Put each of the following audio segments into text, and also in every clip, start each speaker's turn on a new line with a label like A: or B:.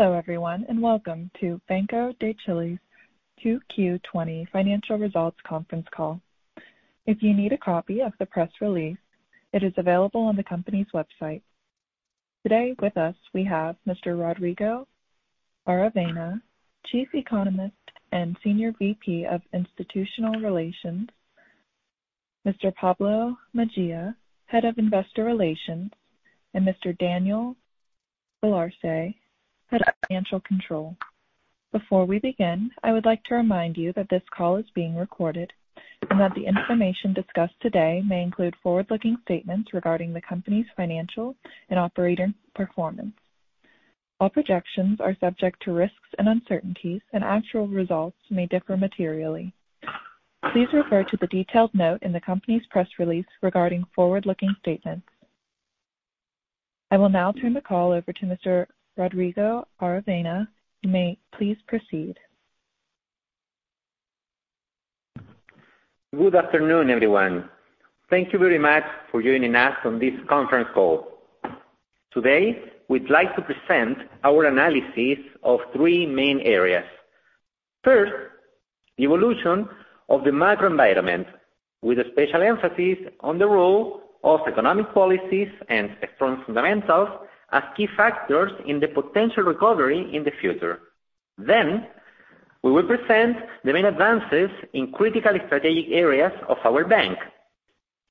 A: Hello, everyone, and welcome to Banco de Chile's 2Q20 financial results conference call. If you need a copy of the press release, it is available on the company's website. Today with us, we have Mr. Rodrigo Aravena, Chief Economist and Senior VP of Institutional Relations, Mr. Pablo Mejia, Head of Investor Relations, and Mr. Daniel Galarce, Head of Financial Control. Before we begin, I would like to remind you that this call is being recorded and that the information discussed today may include forward-looking statements regarding the company's financial and operating performance. All projections are subject to risks and uncertainties, and actual results may differ materially. Please refer to the detailed note in the company's Press release regarding forward-looking statements. I will now turn the call over to Mr. Rodrigo Aravena. You may please proceed.
B: Good afternoon, everyone. Thank you very much for joining us on this conference call. Today, we'd like to present our analysis of three main areas. First, the evolution of the macro environment, with a special emphasis on the role of economic policies and strong fundamentals as key factors in the potential recovery in the future. We will present the main advances in critical strategic areas of our bank.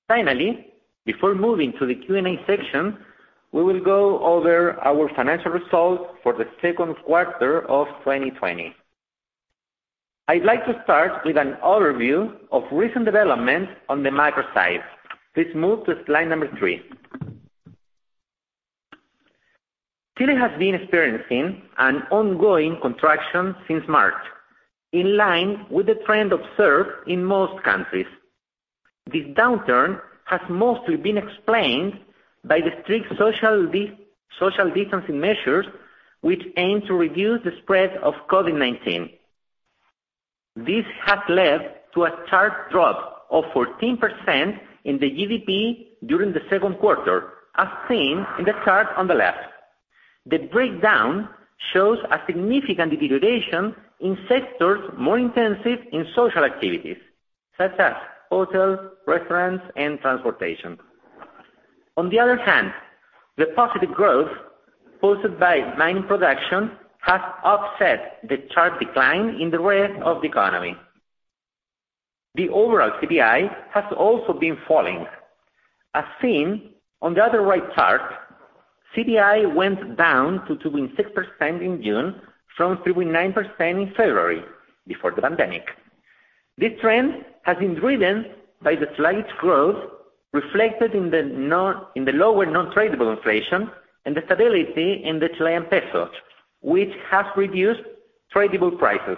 B: Finally, before moving to the Q&A section, we will go over our financial results for the second quarter of 2020. I'd like to start with an overview of recent developments on the micro side. Please move to slide number three. Chile has been experiencing an ongoing contraction since March, in line with the trend observed in most countries. This downturn has mostly been explained by the strict social distancing measures, which aim to reduce the spread of COVID-19. This has led to a sharp drop of 14% in the GDP during the second quarter, as seen in the chart on the left. The breakdown shows a significant deterioration in sectors more intensive in social activities, such as hotels, restaurants, and transportation. On the other hand, the positive growth posted by mining production has offset the sharp decline in the rest of the economy. The overall CPI has also been falling. As seen on the other right chart, CPI went down to 2.6% in June from 3.9% in February, before the pandemic. This trend has been driven by the slight growth reflected in the lower non-tradable inflation and the stability in the Chilean peso, which has reduced tradable prices.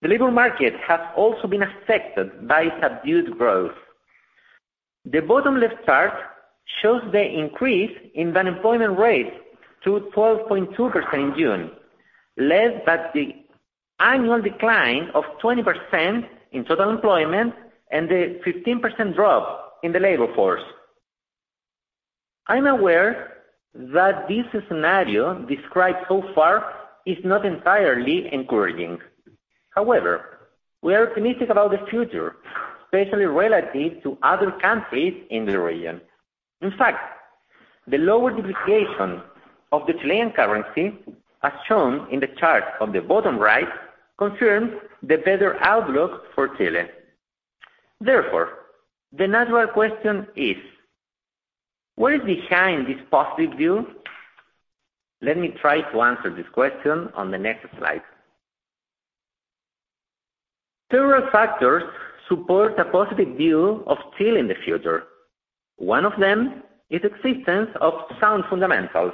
B: The labor market has also been affected by subdued growth. The bottom left chart shows the increase in the unemployment rate to 12.2% in June, led by the annual decline of 20% in total employment and a 15% drop in the labor force. I'm aware that this scenario described so far is not entirely encouraging. We are optimistic about the future, especially relative to other countries in the region. The lower depreciation of the Chilean currency, as shown in the chart on the bottom right, confirms the better outlook for Chile. The natural question is: What is behind this positive view? Let me try to answer this question on the next slide. Several factors support a positive view of Chile in the future. One of them is the existence of sound fundamentals,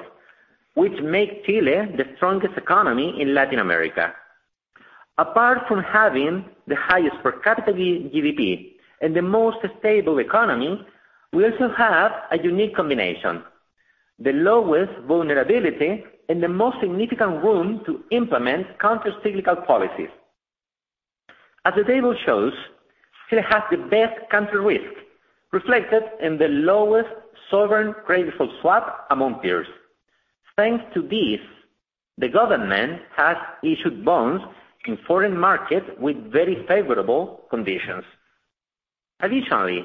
B: which make Chile the strongest economy in Latin America. Apart from having the highest per capita GDP and the most stable economy, we also have a unique combination, the lowest vulnerability and the most significant room to implement countercyclical policies. As the table shows, Chile has the best country risk, reflected in the lowest sovereign credit default swap among peers. Thanks to this, the government has issued bonds in foreign markets with very favorable conditions. Additionally,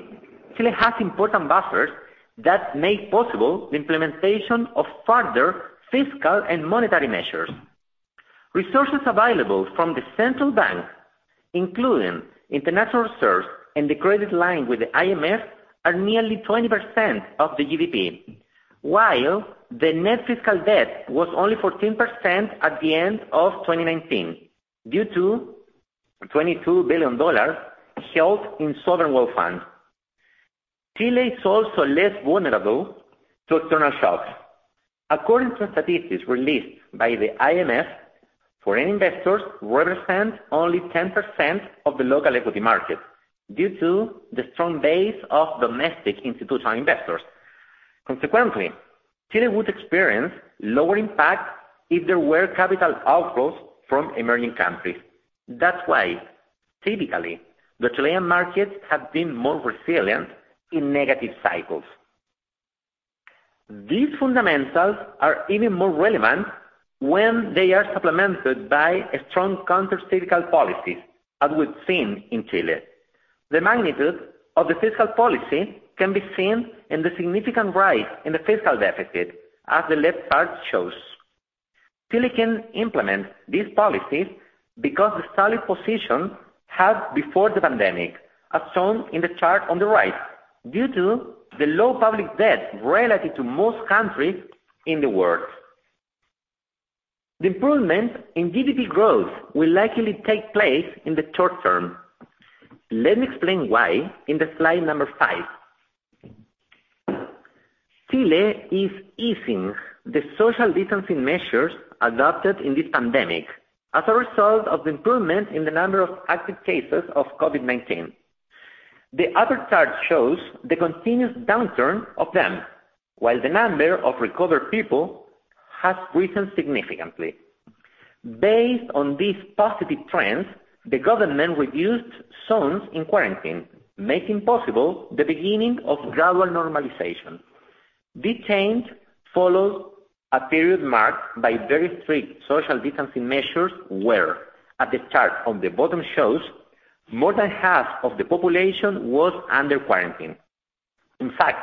B: Chile has important buffers that make possible the implementation of further fiscal and monetary measures. Resources available from the central bank, including international reserves and the credit line with the IMF, are nearly 20% of the GDP, while the net fiscal debt was only 14% at the end of 2019 due to $22 billion held in sovereign wealth funds. Chile is also less vulnerable to external shocks. According to statistics released by the IMF, foreign investors represent only 10% of the local equity market due to the strong base of domestic institutional investors. Consequently, Chile would experience lower impact if there were capital outflows from emerging countries. Typically, the Chilean markets have been more resilient in negative cycles. These fundamentals are even more relevant when they are supplemented by a strong countercyclical policy, as we've seen in Chile. The magnitude of the fiscal policy can be seen in the significant rise in the fiscal deficit, as the left part shows. Chile can implement these policies because the solid position had before the pandemic, as shown in the chart on the right, due to the low public debt relative to most countries in the world. The improvement in GDP growth will likely take place in the short term. Let me explain why in the slide number five. Chile is easing the social distancing measures adopted in this pandemic as a result of the improvement in the number of active cases of COVID-19. The other chart shows the continuous downturn of them, while the number of recovered people has risen significantly. Based on these positive trends, the government reduced zones in quarantine, making possible the beginning of gradual normalization. This change follows a period marked by very strict social distancing measures, where, as the chart on the bottom shows, more than half of the population was under quarantine. In fact,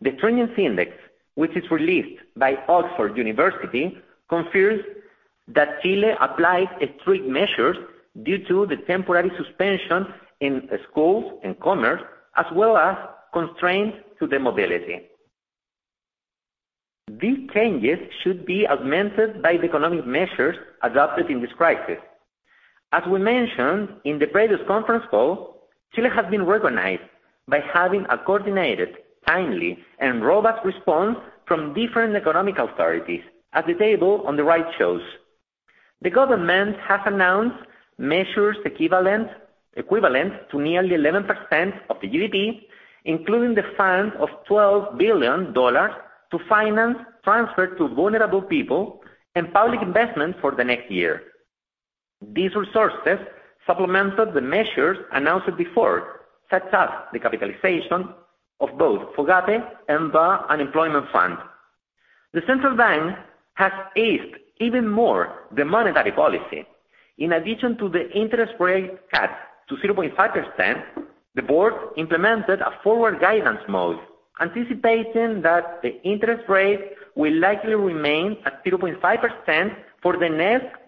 B: the Stringency Index, which is released by Oxford University, confirms that Chile applied strict measures due to the temporary suspension in schools and commerce, as well as constraints to the mobility. These changes should be augmented by the economic measures adopted in this crisis. As we mentioned in the previous Conference call, Chile has been recognized by having a coordinated, timely, and robust response from different economic authorities, as the table on the right shows. The government has announced measures equivalent to nearly 11% of the GDP, including the funds of CLP 12 billion to finance transfer to vulnerable people and public investment for the next year. These resources supplemented the measures announced before, such as the capitalization of both FOGAPE and the Unemployment Fund. The Central Bank has eased even more the monetary policy. In addition to the interest rate cut to 0.5%, the board implemented a forward guidance mode, anticipating that the interest rate will likely remain at 0.5% for the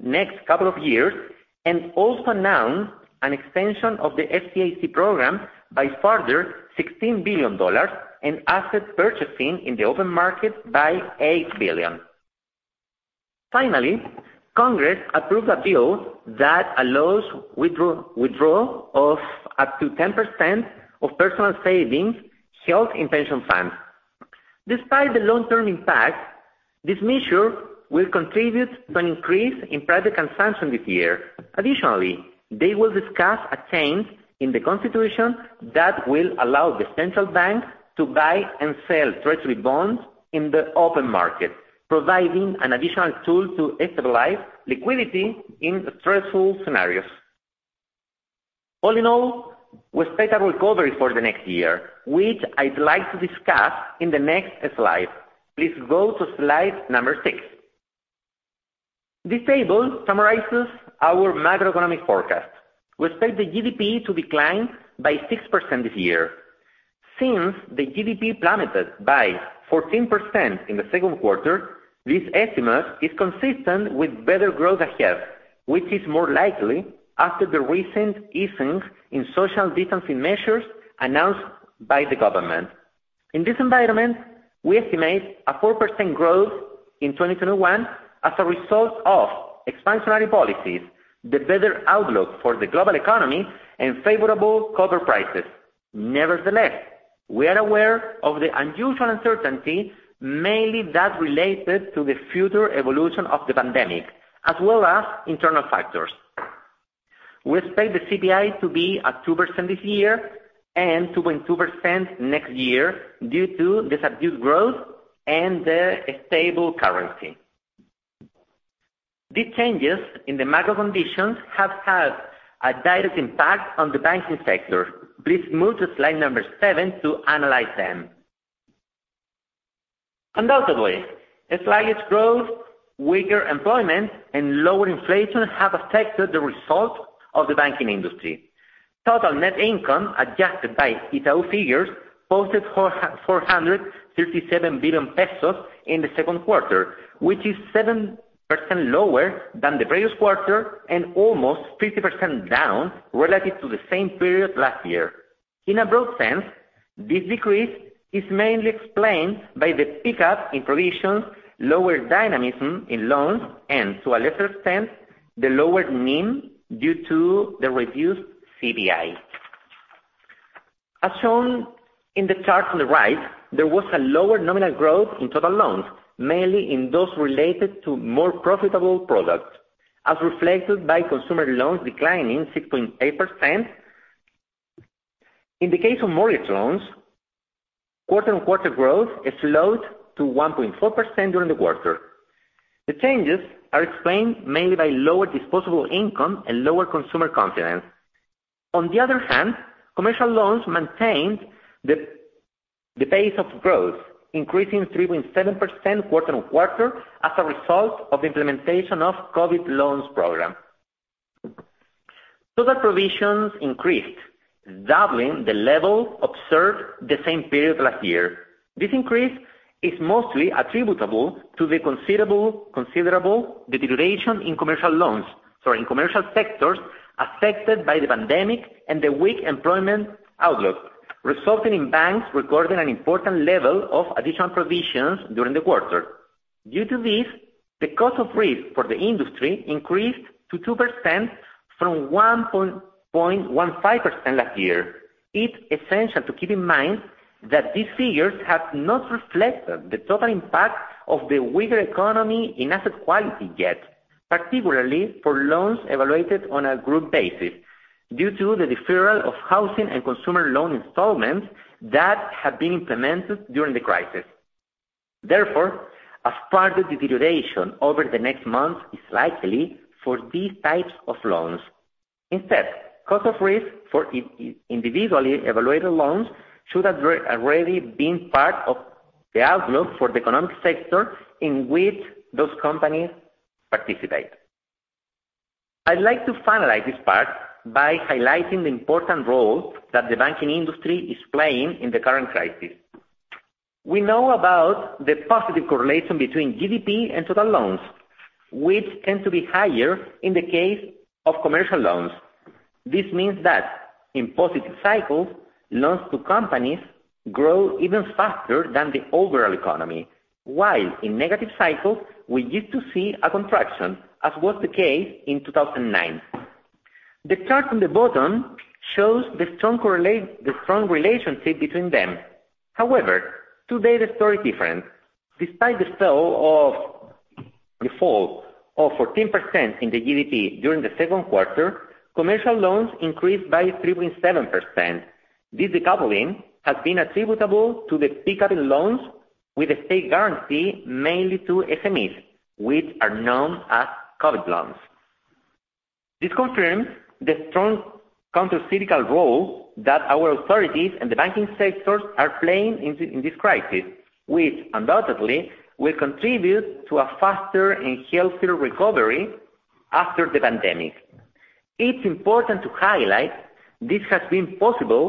B: next couple of years, and also announced an extension of the FCIC program by further CLP 16 billion and asset purchasing in the open market by 8 billion. Finally, Congress approved a bill that allows withdraw of up to 10% of personal savings held in pension funds. Despite the long-term impact, this measure will contribute to an increase in private consumption this year. Additionally, they will discuss a change in the Constitution that will allow the Central Bank to buy and sell Treasury bonds in the open market, providing an additional tool to stabilize liquidity in stressful scenarios. All in all, we expect a recovery for the next year, which I'd like to discuss in the next slide. Please go to slide number six. This table summarizes our macroeconomic forecast. We expect the GDP to decline by 6% this year. Since the GDP plummeted by 14% in the second quarter, this estimate is consistent with better growth ahead, which is more likely after the recent easing in social distancing measures announced by the government. In this environment, we estimate a 4% growth in 2021 as a result of expansionary policies, the better outlook for the global economy, and favorable cover prices. Nevertheless, we are aware of the unusual uncertainty, mainly that related to the future evolution of the pandemic, as well as internal factors. We expect the CPI to be at 2% this year and 2.2% next year due to the subdued growth and the stable currency. These changes in the macro conditions have had a direct impact on the banking sector. Please move to slide number seven to analyze them. Undoubtedly, the sluggish growth, weaker employment, and lower inflation have affected the result of the banking industry. Total net income, adjusted by Itaú figures, posted 437 billion pesos in the second quarter, which is 7% lower than the previous quarter and almost 50% down relative to the same period last year. In a broad sense, this decrease is mainly explained by the pickup in provisions, lower dynamism in loans, and to a lesser extent, the lower NIM due to the reduced CPI. As shown in the chart on the right, there was a lower nominal growth in total loans, mainly in those related to more profitable products, as reflected by consumer loans declining 6.8%. In the case of mortgage loans, quarter-on-quarter growth has slowed to 1.4% during the quarter. The changes are explained mainly by lower disposable income and lower consumer confidence. On the other hand, commercial loans maintained the pace of growth, increasing 3.7% quarter-on-quarter as a result of implementation of COVID loans program. Total provisions increased, doubling the level observed the same period last year. This increase is mostly attributable to the considerable deterioration in commercial loans, sorry, in commercial sectors affected by the pandemic and the weak employment outlook, resulting in banks recording an important level of additional provisions during the quarter. Due to this, the cost of risk for the industry increased to 2% from 1.15% last year. It's essential to keep in mind that these figures have not reflected the total impact of the weaker economy in asset quality yet, particularly for loans evaluated on a group basis, due to the deferral of housing and consumer loan installments that have been implemented during the crisis. Therefore, a further deterioration over the next month is likely for these types of loans. Instead, cost of risk for individually evaluated loans should have already been part of the outlook for the economic sector in which those companies participate. I'd like to finalize this part by highlighting the important role that the banking industry is playing in the current crisis. We know about the positive correlation between GDP and total loans, which tend to be higher in the case of commercial loans. This means that in positive cycles, loans to companies grow even faster than the overall economy, while in negative cycles, we used to see a contraction, as was the case in 2009. The chart on the bottom shows the strong relationship between them. However, today the story is different. Despite the fall of 14% in the GDP during the second quarter, commercial loans increased by 3.7%. This decoupling has been attributable to the pick-up in loans with a state guarantee, mainly to SMEs, which are known as COVID loans. This confirms the strong countercyclical role that our authorities and the banking sectors are playing in this crisis, which undoubtedly will contribute to a faster and healthier recovery after the pandemic. It's important to highlight this has been possible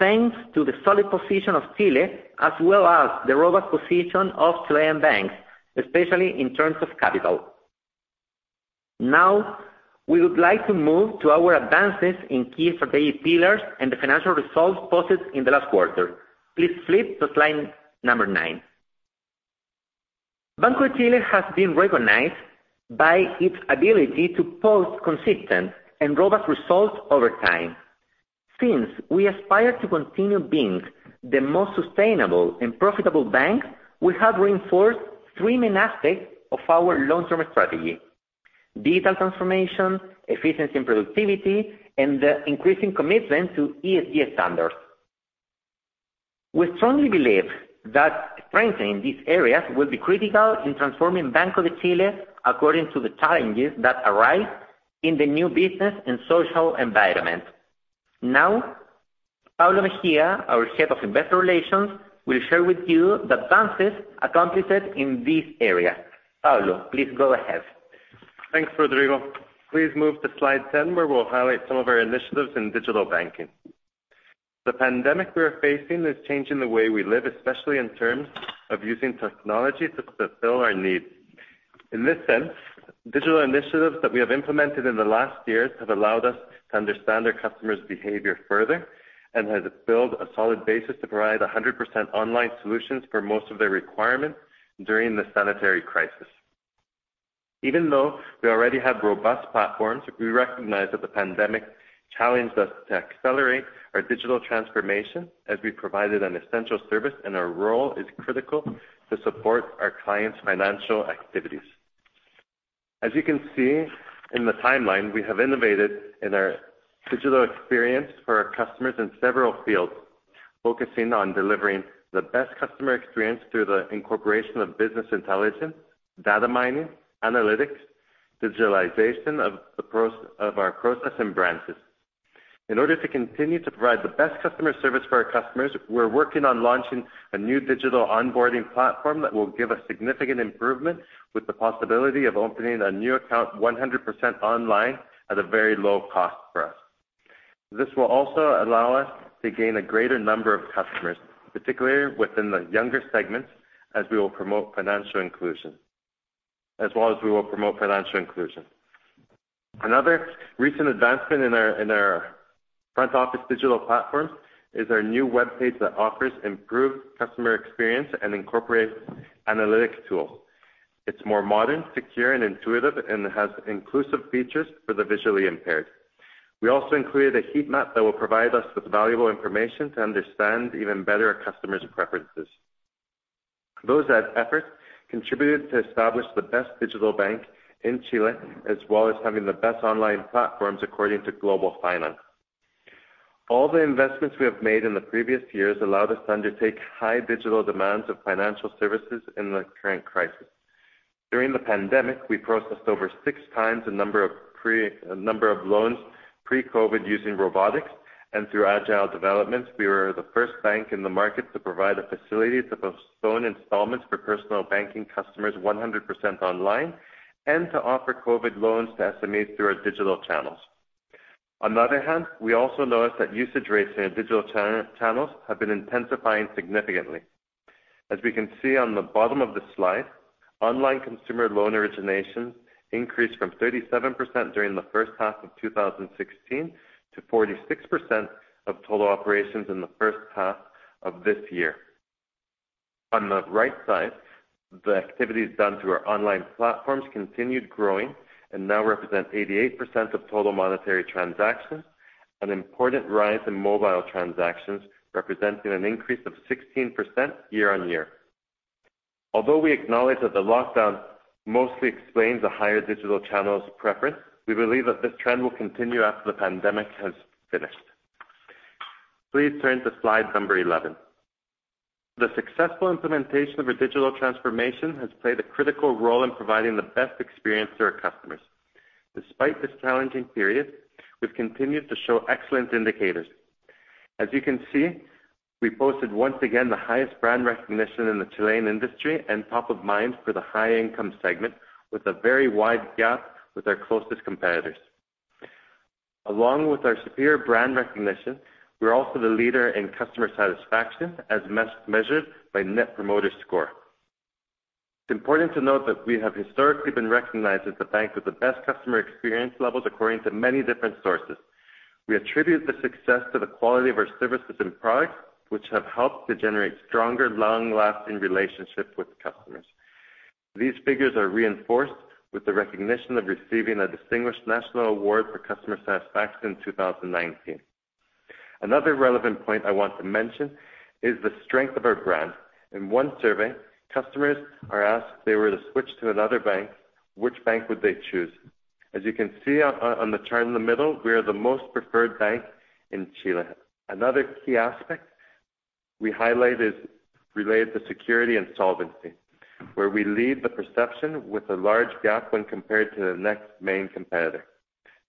B: thanks to the solid position of Chile, as well as the robust position of Chilean banks, especially in terms of capital. Now, we would like to move to our advances in key strategy pillars and the financial results posted in the last quarter. Please flip to slide number nine. Banco de Chile has been recognized by its ability to post consistent and robust results over time. Since we aspire to continue being the most sustainable and profitable bank, we have reinforced three main aspects of our long-term strategy: digital transformation, efficiency and productivity, and the increasing commitment to ESG standards. We strongly believe that strengthening these areas will be critical in transforming Banco de Chile according to the challenges that arise in the new business and social environment. Now, Pablo Mejia, our head of investor relations, will share with you the advances accomplished in this area. Pablo, please go ahead.
C: Thanks, Rodrigo. Please move to slide 10, where we'll highlight some of our initiatives in digital banking. The pandemic we are facing is changing the way we live, especially in terms of using technology to fulfill our needs. In this sense, digital initiatives that we have implemented in the last years have allowed us to understand our customers' behavior further, and has built a solid basis to provide 100% online solutions for most of their requirements during the sanitary crisis. Even though we already have robust platforms, we recognize that the pandemic challenged us to accelerate our digital transformation as we provided an essential service and our role is critical to support our clients' financial activities. As you can see in the timeline, we have innovated in our digital experience for our customers in several fields, focusing on delivering the best customer experience through the incorporation of business intelligence, data mining, analytics, digitalization of our process and branches. In order to continue to provide the best customer service for our customers, we're working on launching a new digital onboarding platform that will give a significant improvement with the possibility of opening a new account 100% online at a very low cost for us. This will also allow us to gain a greater number of customers, particularly within the younger segments, as well as we will promote financial inclusion. Another recent advancement in our front office digital platforms is our new webpage that offers improved customer experience and incorporates analytics tool. It's more modern, secure and intuitive, and has inclusive features for the visually impaired. We also included a heat map that will provide us with valuable information to understand even better our customers' preferences. Those efforts contributed to establish the best digital bank in Chile, as well as having the best online platforms according to Global Finance. All the investments we have made in the previous years allow us to undertake high digital demands of financial services in the current crisis. During the pandemic, we processed over 6x the number of loans pre-COVID using robotics, and through agile developments, we were the first bank in the market to provide the facility to postpone installments for personal banking customers 100% online, and to offer COVID loans to SMEs through our digital channels. On the other hand, we also noticed that usage rates in our digital channels have been intensifying significantly. As we can see on the bottom of the slide, online consumer loan originations increased from 37% during the first half of 2016 to 46% of total operations in the first half of this year. On the right side, the activities done through our online platforms continued growing and now represent 88% of total monetary transactions, an important rise in mobile transactions representing an increase of 16% year-on-year. Although we acknowledge that the lockdown mostly explains the higher digital channels preference, we believe that this trend will continue after the pandemic has finished. Please turn to slide number 11. The successful implementation of our digital transformation has played a critical role in providing the best experience to our customers. Despite this challenging period, we've continued to show excellent indicators. As you can see, we posted once again the highest brand recognition in the Chilean industry and top of mind for the high-income segment, with a very wide gap with our closest competitors. Along with our superior brand recognition, we are also the leader in customer satisfaction, as measured by Net Promoter Score. It is important to note that we have historically been recognized as the bank with the best customer experience levels according to many different sources. We attribute the success to the quality of our services and products, which have helped to generate stronger, long-lasting relationships with customers. These figures are reinforced with the recognition of receiving a distinguished national award for customer satisfaction in 2019. Another relevant point I want to mention is the strength of our brand. In one survey, customers are asked if they were to switch to another bank, which bank would they choose? As you can see on the chart in the middle, we are the most preferred bank in Chile. Another key aspect we highlight is related to security and solvency, where we lead the perception with a large gap when compared to the next main competitor.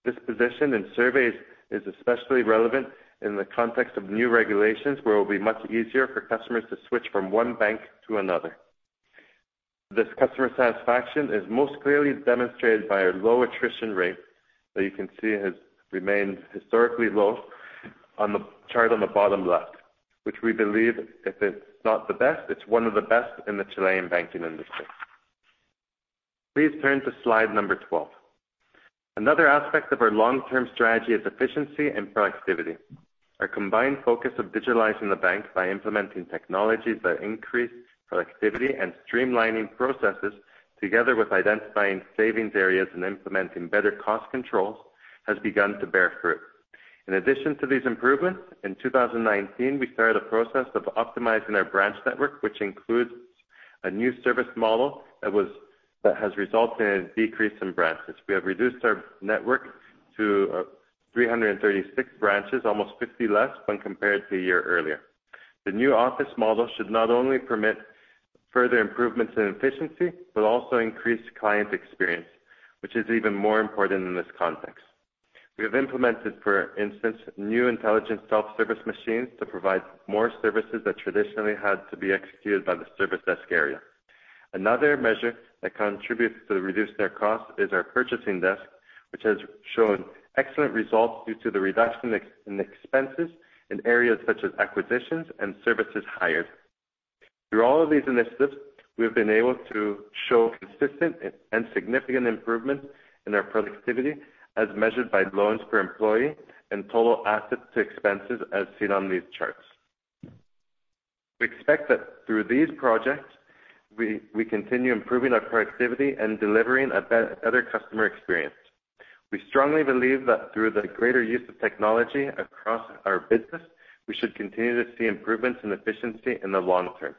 C: This position in surveys is especially relevant in the context of new regulations, where it will be much easier for customers to switch from one bank to another. This customer satisfaction is most clearly demonstrated by our low attrition rate that you can see has remained historically low on the chart on the bottom left, which we believe if it's not the best, it's one of the best in the Chilean banking industry. Please turn to slide number 12. Another aspect of our long-term strategy is efficiency and productivity. Our combined focus of digitalizing the bank by implementing technologies that increase productivity and streamlining processes, together with identifying savings areas and implementing better cost controls, has begun to bear fruit. In addition to these improvements, in 2019, we started a process of optimizing our branch network, which includes a new service model that has resulted in a decrease in branches. We have reduced our network to 336 branches, almost 50 less when compared to a year earlier. The new office model should not only permit further improvements in efficiency, but also increase client experience, which is even more important in this context. We have implemented, for instance, new intelligent self-service machines to provide more services that traditionally had to be executed by the service desk area. Another measure that contributes to reduce their cost is our purchasing desk, which has shown excellent results due to the reduction in expenses in areas such as acquisitions and services hired. Through all of these initiatives, we have been able to show consistent and significant improvements in our productivity, as measured by loans per employee and total assets to expenses, as seen on these charts. We expect that through these projects, we continue improving our productivity and delivering a better customer experience. We strongly believe that through the greater use of technology across our business, we should continue to see improvements in efficiency in the long term.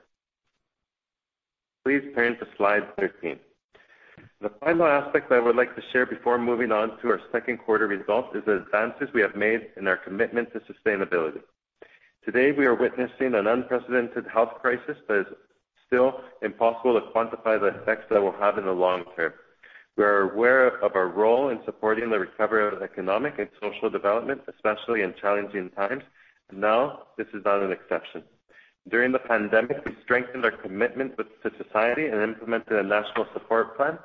C: Please turn to slide 13. The final aspect I would like to share before moving on to our second quarter results is the advances we have made in our commitment to sustainability. Today, we are witnessing an unprecedented health crisis that is still impossible to quantify the effects that it will have in the long term. We are aware of our role in supporting the recovery of economic and social development, especially in challenging times. Now, this is not an exception. During the pandemic, we strengthened our commitment to society and implemented a national support plan.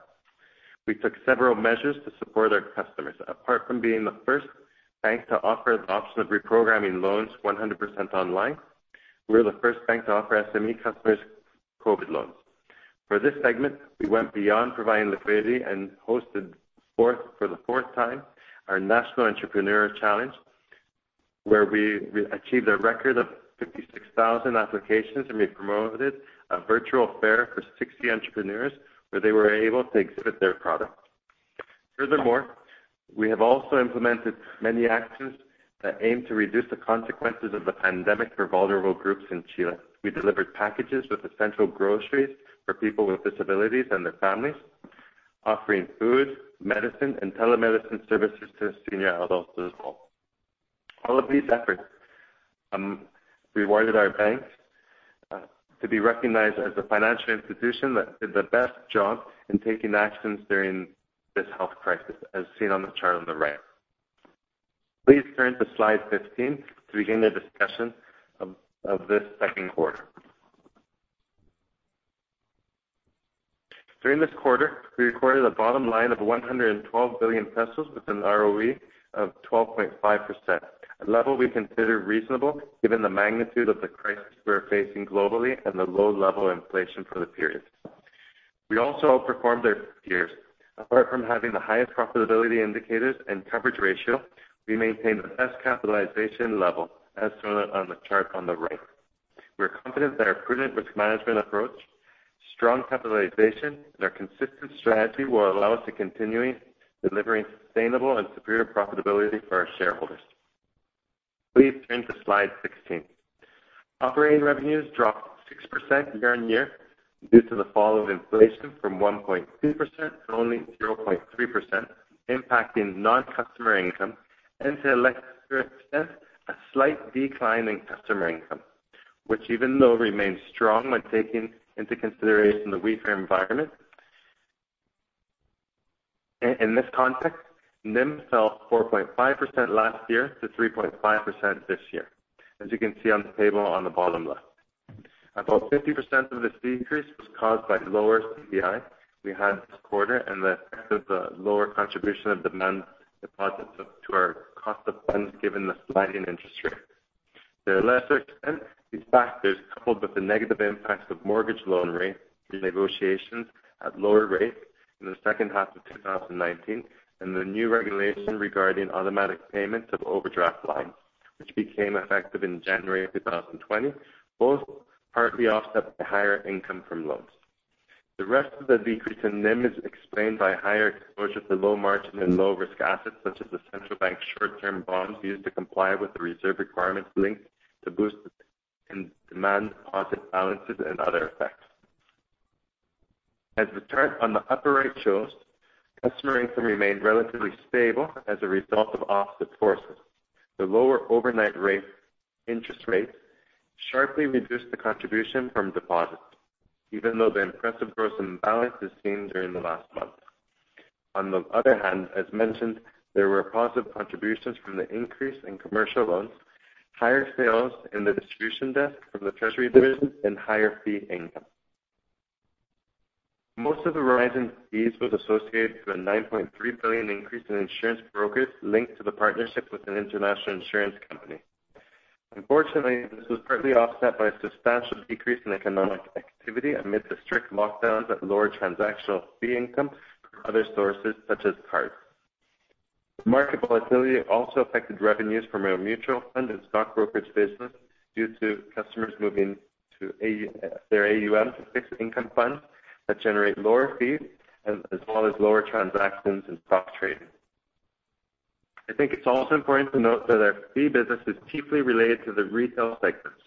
C: We took several measures to support our customers. Apart from being the first bank to offer the option of reprogramming loans 100% online, we were the first bank to offer SME customers COVID loans. For this segment, we went beyond providing liquidity and hosted for the fourth time our National Entrepreneur Challenge, where we achieved a record of 56,000 applications, and we promoted a virtual fair for 60 entrepreneurs, where they were able to exhibit their products. Furthermore, we have also implemented many actions that aim to reduce the consequences of the pandemic for vulnerable groups in Chile. We delivered packages with essential groceries for people with disabilities and their families, offering food, medicine, and telemedicine services to senior adults as well. All of these efforts rewarded our bank to be recognized as the financial institution that did the best job in taking actions during this health crisis, as seen on the chart on the right. Please turn to slide 15 to begin the discussion of this second quarter. During this quarter, we recorded a bottom line of 112 billion pesos with an ROE of 12.5%, a level we consider reasonable given the magnitude of the crisis we are facing globally and the low level of inflation for the period. We also outperformed our peers. Apart from having the highest profitability indicators and coverage ratio, we maintained the best capitalization level as shown on the chart on the right. We are confident that our prudent risk management approach, strong capitalization, and our consistent strategy will allow us to continue delivering sustainable and superior profitability for our shareholders. Please turn to slide 16. Operating revenues dropped 6% year-on-year due to the fall of inflation from 1.2% to only 0.3%, impacting non-customer income, and to a lesser extent, a slight decline in customer income, which even though remains strong when taking into consideration the weaker environment. In this context, NIM fell 4.5% last year to 3.5% this year, as you can see on the table on the bottom left. About 50% of this decrease was caused by lower CPI we had this quarter and the effect of the lower contribution of demand deposits to our cost of funds given the slide in interest rates. To a lesser extent, these factors coupled with the negative impacts of mortgage loan rate negotiations at lower rates in the second half of 2019 and the new regulation regarding automatic payments of overdraft lines, which became effective in January 2020, both partly offset the higher income from loans. The rest of the decrease in NIM is explained by higher exposure to low margin and low risk assets such as the Central Bank short-term bonds used to comply with the reserve requirements linked to boost in demand deposit balances and other effects. As the chart on the upper right shows, customer income remained relatively stable as a result of offset forces. The lower overnight interest rates sharply reduced the contribution from deposits, even though the impressive growth in balance is seen during the last month. On the other hand, as mentioned, there were positive contributions from the increase in commercial loans, higher sales in the distribution desk from the treasury division, and higher fee income. Most of the rise in fees was associated with a 9.3 billion increase in insurance brokerage linked to the partnership with an international insurance company. Unfortunately, this was partly offset by a substantial decrease in economic activity amid the strict lockdowns that lowered transactional fee income from other sources such as cards. Market volatility also affected revenues from our mutual fund and stock brokerage business due to customers moving their AUM to fixed income funds that generate lower fees as well as lower transactions and stock trading. I think it's also important to note that our fee business is chiefly related to the retail sectors.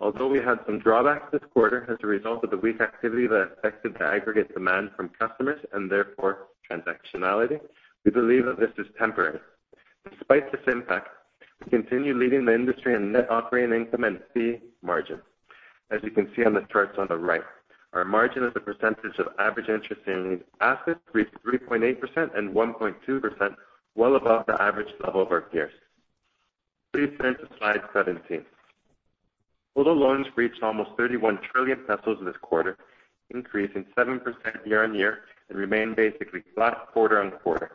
C: Although we had some drawbacks this quarter as a result of the weak activity that affected the aggregate demand from customers and therefore transactionality, we believe that this is temporary. Despite this impact, we continue leading the industry in net operating income and fee margin. As you can see on the charts on the right, our margin as a percentage of average interest earning assets reached 3.8% and 1.2%, well above the average level of our peers. Please turn to slide 17. Total loans reached almost 31 trillion pesos this quarter, increasing 7% year-on-year, and remained basically flat quarter-on-quarter.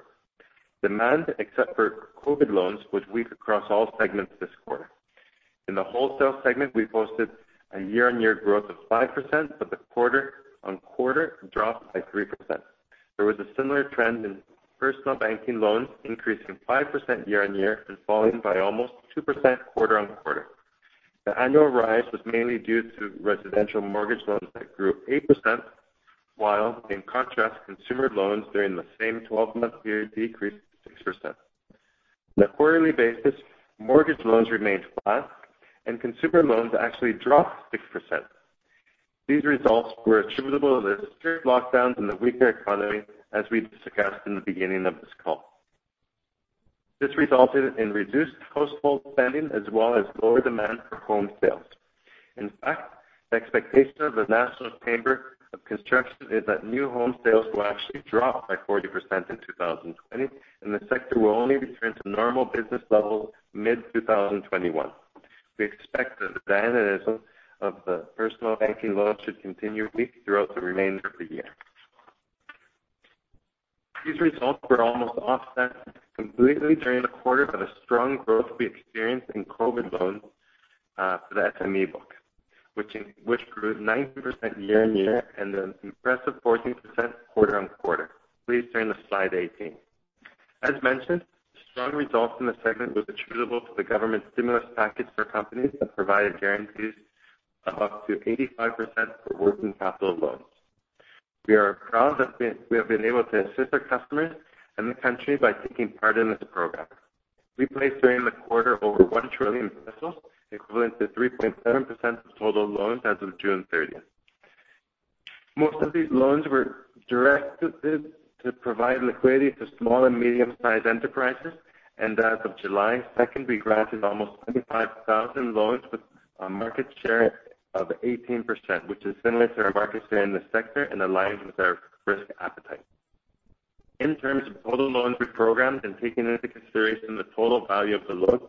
C: Demand, except for COVID loans, was weak across all segments this quarter. In the wholesale segment, we posted a year-on-year growth of 5%, but the quarter-on-quarter dropped by 3%. There was a similar trend in personal banking loans, increasing 5% year-on-year and falling by almost 2% quarter-on-quarter. The annual rise was mainly due to residential mortgage loans that grew 8%, while in contrast, consumer loans during the same 12 month period decreased 6%. On a quarterly basis, mortgage loans remained flat and consumer loans actually dropped 6%. These results were attributable to the strict lockdowns and the weaker economy, as we discussed in the beginning of this call. This resulted in reduced household spending as well as lower demand for home sales. In fact, the expectation of the Cámara Chilena de la Construcción is that new home sales will actually drop by 40% in 2020, and the sector will only return to normal business levels mid-2021. We expect that the dynamism of the personal banking loans should continue weak throughout the remainder of the year. These results were almost offset completely during the quarter by the strong growth we experienced in COVID loans, for the SME book, which grew 90% year-on-year and an impressive 14% quarter-on-quarter. Please turn to slide 18. As mentioned, strong results in this segment was attributable to the government stimulus package for companies that provided guarantees of up to 85% for working capital loans. We are proud that we have been able to assist our customers and the country by taking part in this program. We placed during the quarter over 1 trillion pesos, equivalent to 3.7% of total loans as of June 30th. Most of these loans were directed to provide liquidity to Small and Medium-sized Enterprises, and as of July 2nd, we granted almost 25,000 loans with a market share of 18%, which is similar to our market share in the sector and aligns with our risk appetite. In terms of total loans reprogrammed and taking into consideration the total value of the loans,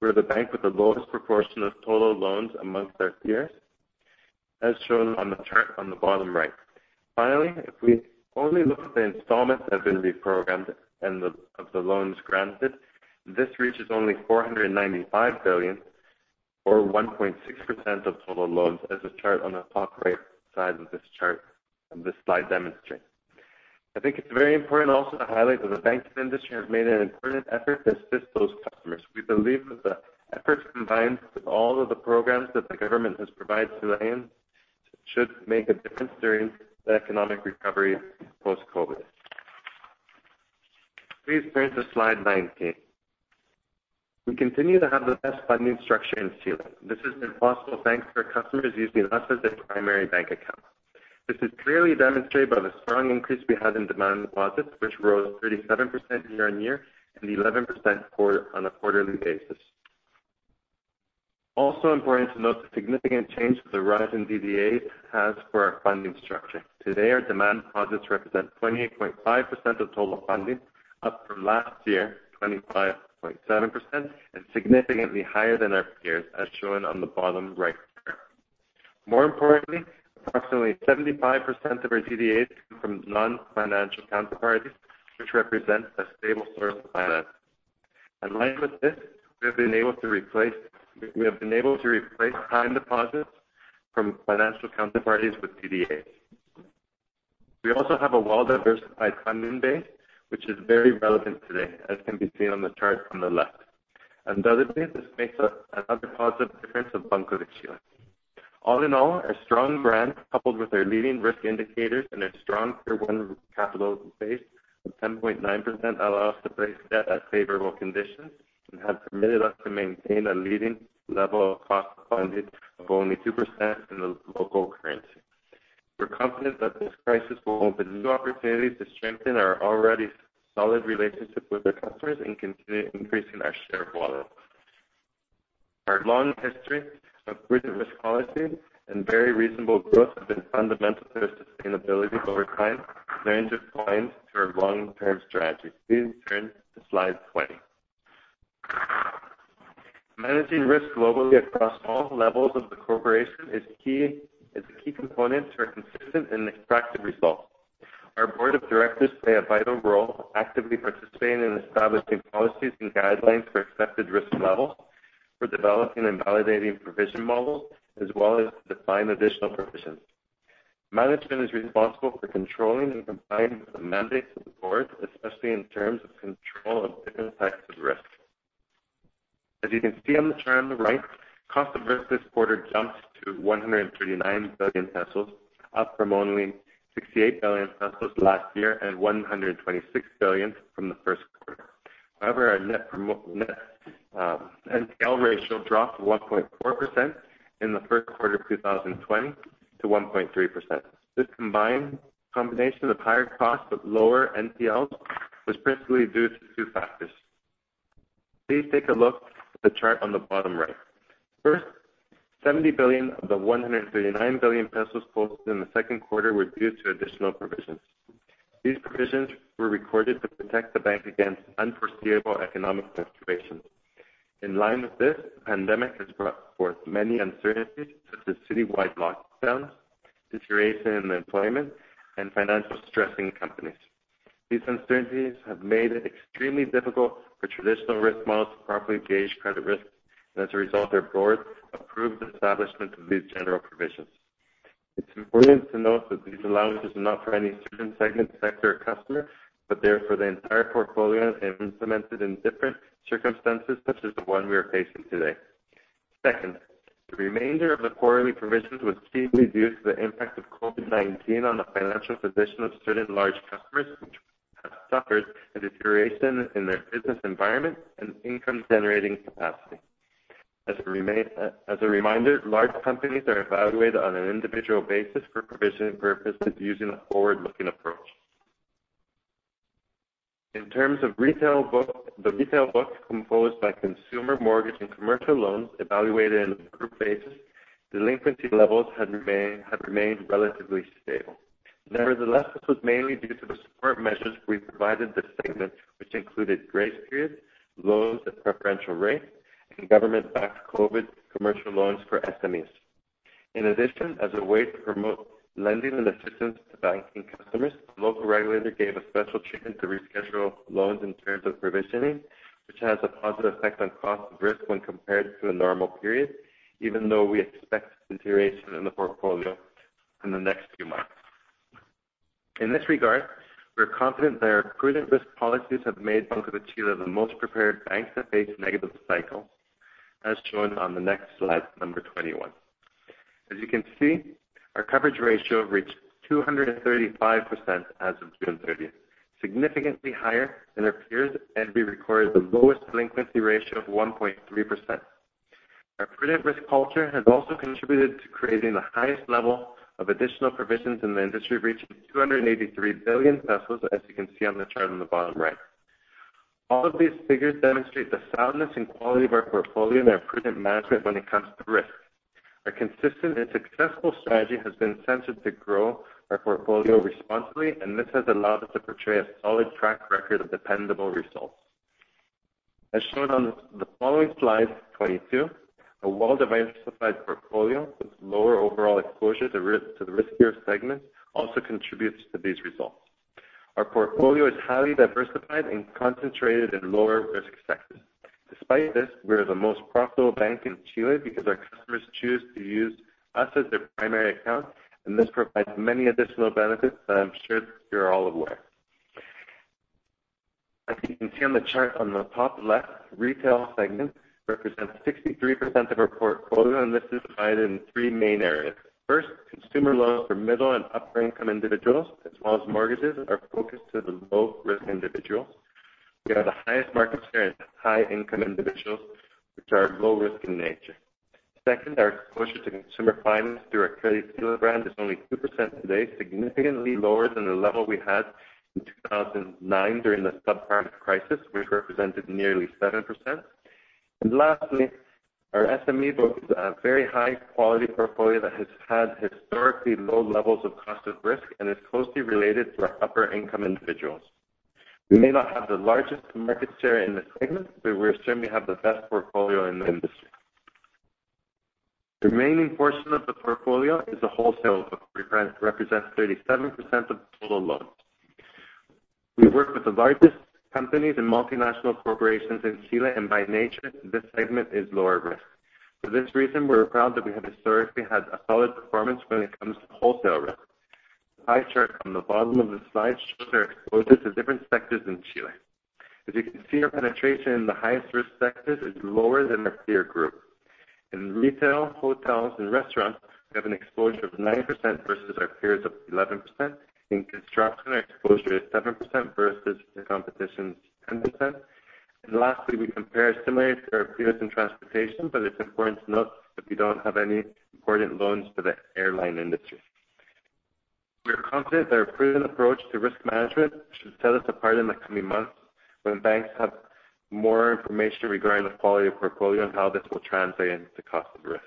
C: we're the bank with the lowest proportion of total loans amongst our peers, as shown on the chart on the bottom right. Finally, if we only look at the installments that have been reprogrammed of the loans granted, this reaches only 495 billion, or 1.6% of total loans, as the chart on the top right side of this slide demonstrates. I think it's very important also to highlight that the banking industry have made an important effort to assist those customers. We believe that the efforts combined with all of the programs that the government has provided to the end should make a difference during the economic recovery post-COVID. Please turn to slide 19. We continue to have the best funding structure in Chile. This has been possible thanks to our customers using us as their primary bank account. This is clearly demonstrated by the strong increase we had in demand deposits, which rose 37% year-over-year and 11% on a quarterly basis. Also important to note the significant change that the rise in DDAs has for our funding structure. Today, our demand deposits represent 28.5% of total funding, up from last year, 25.7%, and significantly higher than our peers, as shown on the bottom right chart. More importantly, approximately 75% of our DDAs come from non-financial counterparties, which represents a stable source of finance. In line with this, we have been able to replace time deposits from financial counterparties with DDAs. We also have a well-diversified funding base, which is very relevant today, as can be seen on the chart on the left. Undoubtedly, this makes another positive difference of Banco de Chile. All in all, a strong brand, coupled with our leading risk indicators and a strong Tier 1 capital base of 10.9%, allow us to place debt at favorable conditions and have permitted us to maintain a leading level of cost funding of only 2% in the local currency. We're confident that this crisis will open new opportunities to strengthen our already solid relationship with our customers and continue increasing our share of wallet. Our long history of prudent risk policy and very reasonable growth have been fundamental to our sustainability over time and are in tune to our long-term strategy. Please turn to slide 20. Managing risks globally across all levels of the corporation is a key component to our consistent and attractive results. Our board of directors play a vital role, actively participating in establishing policies and guidelines for accepted risk levels, for developing and validating provision models, as well as to define additional provisions. Management is responsible for controlling and complying with the mandates of the board, especially in terms of control of different types of risk. As you can see on the chart on the right, cost of risk this quarter jumped to 139 billion pesos, up from only 68 billion pesos last year and 126 billion from the first quarter. Our NPL ratio dropped to 1.4% in the first quarter of 2020 to 1.3%. This combination of higher costs but lower NPLs was principally due to two factors. Please take a look at the chart on the bottom right. First, 70 billion of the 139 billion pesos posted in the second quarter were due to additional provisions. These provisions were recorded to protect the bank against unforeseeable economic situations. In line with this, the pandemic has brought forth many uncertainties, such as citywide lockdowns, deterioration in employment, and financial stress in companies. These uncertainties have made it extremely difficult for traditional risk models to properly gauge credit risk, and as a result, our board approved the establishment of these general provisions. It's important to note that these allowances are not for any certain segment, sector or customer, but they are for the entire portfolio and implemented in different circumstances such as the one we are facing today. The remainder of the quarterly provisions was chiefly due to the impact of COVID-19 on the financial position of certain large customers which have suffered a deterioration in their business environment and income-generating capacity. As a reminder, large companies are evaluated on an individual basis for provisioning purposes using a forward-looking approach. In terms of the retail book composed by consumer mortgage and commercial loans evaluated on a group basis, delinquency levels have remained relatively stable. This was mainly due to the support measures we provided this segment, which included grace periods, loans at preferential rates, and government-backed COVID commercial loans for SMEs. In addition, as a way to promote lending and assistance to banking customers, the local regulator gave a special treatment to reschedule loans in terms of provisioning, which has a positive effect on cost of risk when compared to a normal period, even though we expect deterioration in the portfolio in the next few months. In this regard, we are confident that our prudent risk policies have made Banco de Chile the most prepared bank to face negative cycles, as shown on the next slide, number 21. As you can see, our coverage ratio reached 235% as of June 30th, significantly higher than our peers, and we recorded the lowest delinquency ratio of 1.3%. Our prudent risk culture has also contributed to creating the highest level of additional provisions in the industry, reaching 283 billion pesos, as you can see on the chart on the bottom right. All of these figures demonstrate the soundness and quality of our portfolio and our prudent management when it comes to risk. Our consistent and successful strategy has been centered to grow our portfolio responsibly. This has allowed us to portray a solid track record of dependable results. As shown on the following slide, 22, a well-diversified portfolio with lower overall exposure to the riskier segments also contributes to these results. Our portfolio is highly diversified and concentrated in lower-risk sectors. Despite this, we are the most profitable bank in Chile because our customers choose to use us as their primary account. This provides many additional benefits that I'm sure you're all aware. As you can see on the chart on the top left, retail segment represents 63% of our portfolio. This is divided in three main areas. First, consumer loans for middle and upper-income individuals, as well as mortgages, are focused on the low-risk individuals. We have the highest market share in high-income individuals, which are low risk in nature. Second, our exposure to consumer finance through our CrediChile brand is only 2% today, significantly lower than the level we had in 2009 during the subprime crisis, which represented nearly 7%. Lastly, our SME book is a very high-quality portfolio that has had historically low levels of cost of risk and is closely related to our upper-income individuals. We may not have the largest market share in this segment, but we certainly have the best portfolio in the industry. The remaining portion of the portfolio is the wholesale book, represents 37% of total loans. We work with the largest companies and multinational corporations in Chile, and by nature, this segment is lower risk. For this reason, we are proud that we have historically had a solid performance when it comes to wholesale risk. The pie chart on the bottom of the slide shows our exposure to different sectors in Chile. As you can see, our penetration in the highest risk sectors is lower than our peer group. In retail, hotels, and restaurants, we have an exposure of 9% versus our peers of 11%. In construction, our exposure is 7% versus the competition's 10%. Lastly, we compare similarly to our peers in transportation, but it's important to note that we don't have any important loans to the airline industry. We are confident that our prudent approach to risk management should set us apart in the coming months when banks have more information regarding the quality of portfolio and how this will translate into cost of risk.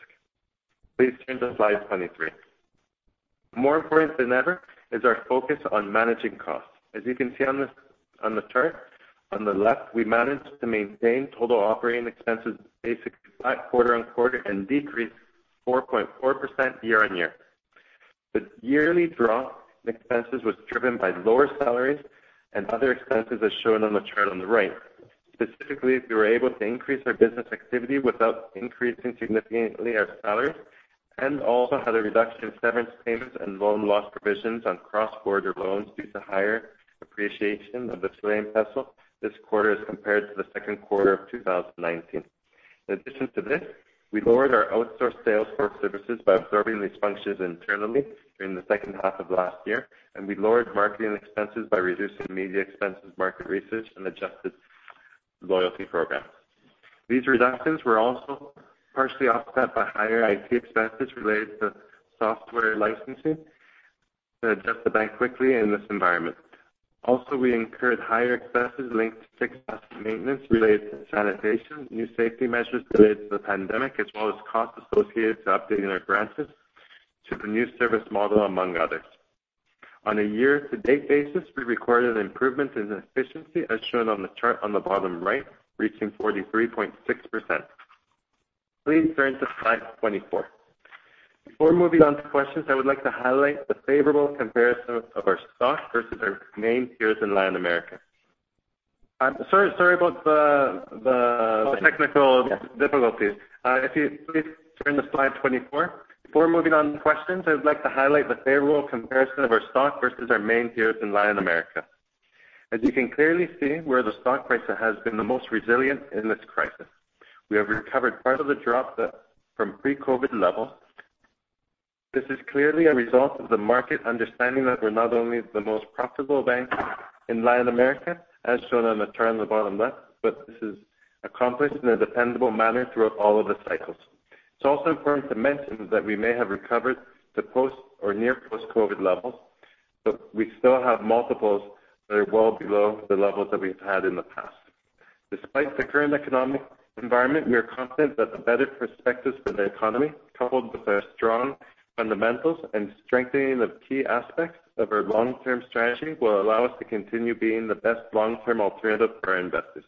C: Please turn to slide 23. More important than ever is our focus on managing costs. As you can see on the chart on the left, we managed to maintain total operating expenses basically flat quarter-on-quarter and decreased 4.4% year-on-year. The yearly drop in expenses was driven by lower salaries and other expenses, as shown on the chart on the right. Specifically, we were able to increase our business activity without increasing significantly our salaries and also had a reduction in severance payments and loan loss provisions on cross-border loans due to higher appreciation of the Chilean peso this quarter as compared to the second quarter of 2019. In addition to this, we lowered our outsourced salesforce services by absorbing these functions internally during the second half of last year, and we lowered marketing expenses by reducing media expenses, market research, and adjusted loyalty programs. These reductions were also partially offset by higher IT expenses related to software licensing to adjust the bank quickly in this environment. Also, we incurred higher expenses linked to capacity maintenance related to sanitation, new safety measures related to the pandemic, as well as costs associated to updating our branches to the new service model, among others. On a year-to-date basis, we recorded an improvement in efficiency, as shown on the chart on the bottom right, reaching 43.6%. Please turn to slide 24. Before moving on to questions, I would like to highlight the favorable comparison of our stock versus our main peers in Latin America. I'm sorry about the technical difficulties. If you please turn to slide 24. Before moving on to questions, I would like to highlight the favorable comparison of our stock versus our main peers in Latin America. As you can clearly see, we're the stock price that has been the most resilient in this crisis. We have recovered part of the drop from pre-COVID level. This is clearly a result of the market understanding that we're not only the most profitable bank in Latin America, as shown on the chart on the bottom left, but this is accomplished in a dependable manner throughout all of the cycles. It's also important to mention that we may have recovered to post or near post-COVID levels, but we still have multiples that are well below the levels that we've had in the past. Despite the current economic environment, we are confident that the better perspectives for the economy, coupled with our strong fundamentals and strengthening of key aspects of our long-term strategy, will allow us to continue being the best long-term alternative for our investors.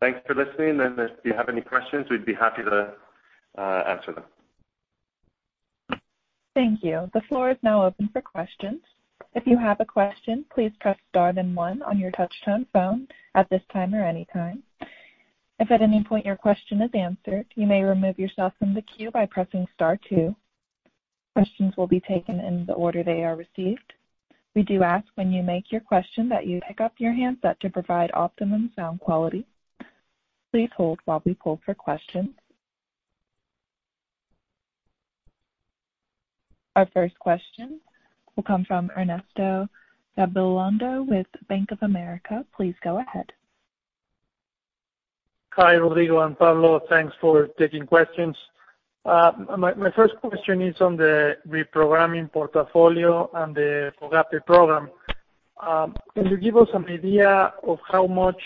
C: Thanks for listening, and if you have any questions, we'd be happy to answer them.
A: Thank you. The floor is now open for questions. Our first question will come from Ernesto Gabilondo with Bank of America. Please go ahead.
D: Hi, Rodrigo and Pablo. Thanks for taking questions. My first question is on the reprogramming portfolio and the FOGAPE program. Can you give us an idea of how much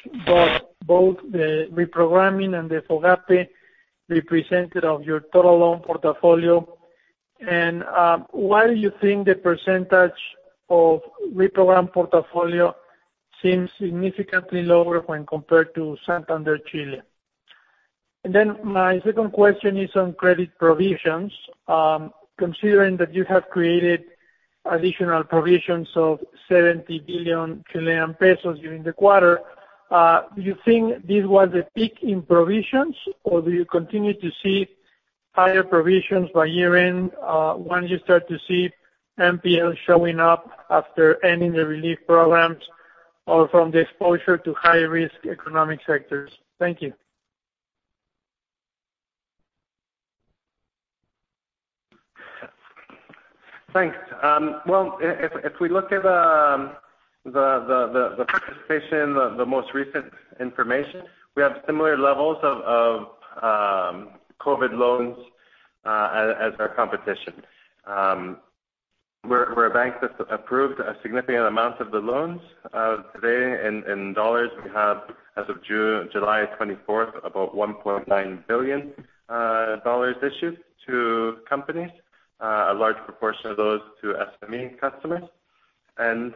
D: both the reprogramming and the FOGAPE represented of your total loan portfolio? Why do you think the percentage of reprogrammed portfolio seems significantly lower when compared to Banco Santander-Chile? My second question is on credit provisions. Considering that you have created additional provisions of 70 billion Chilean pesos during the quarter, do you think this was a peak in provisions, or do you continue to see higher provisions by year-end once you start to see NPL showing up after ending the relief programs or from the exposure to high-risk economic sectors? Thank you.
C: Thanks. Well, if we look at the participation, the most recent information, we have similar levels of COVID loans as our competition. We're a bank that approved a significant amount of the loans. Today, in dollars, we have, as of July twenty-fourth, about $1.9 billion issued to companies, a large proportion of those to SME customers. It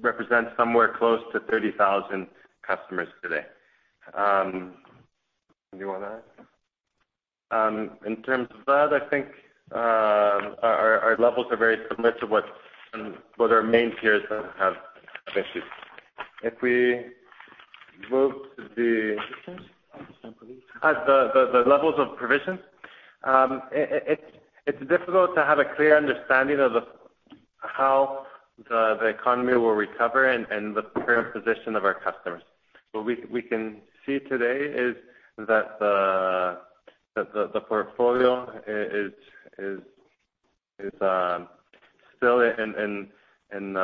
C: represents somewhere close to 30,000 customers today. Do you want to add? In terms of that, I think our levels are very similar to what our main peers have issued.
B: Provisions.
C: The levels of provisions. It's difficult to have a clear understanding of how the economy will recover and the current position of our customers. What we can see today is that the portfolio is still in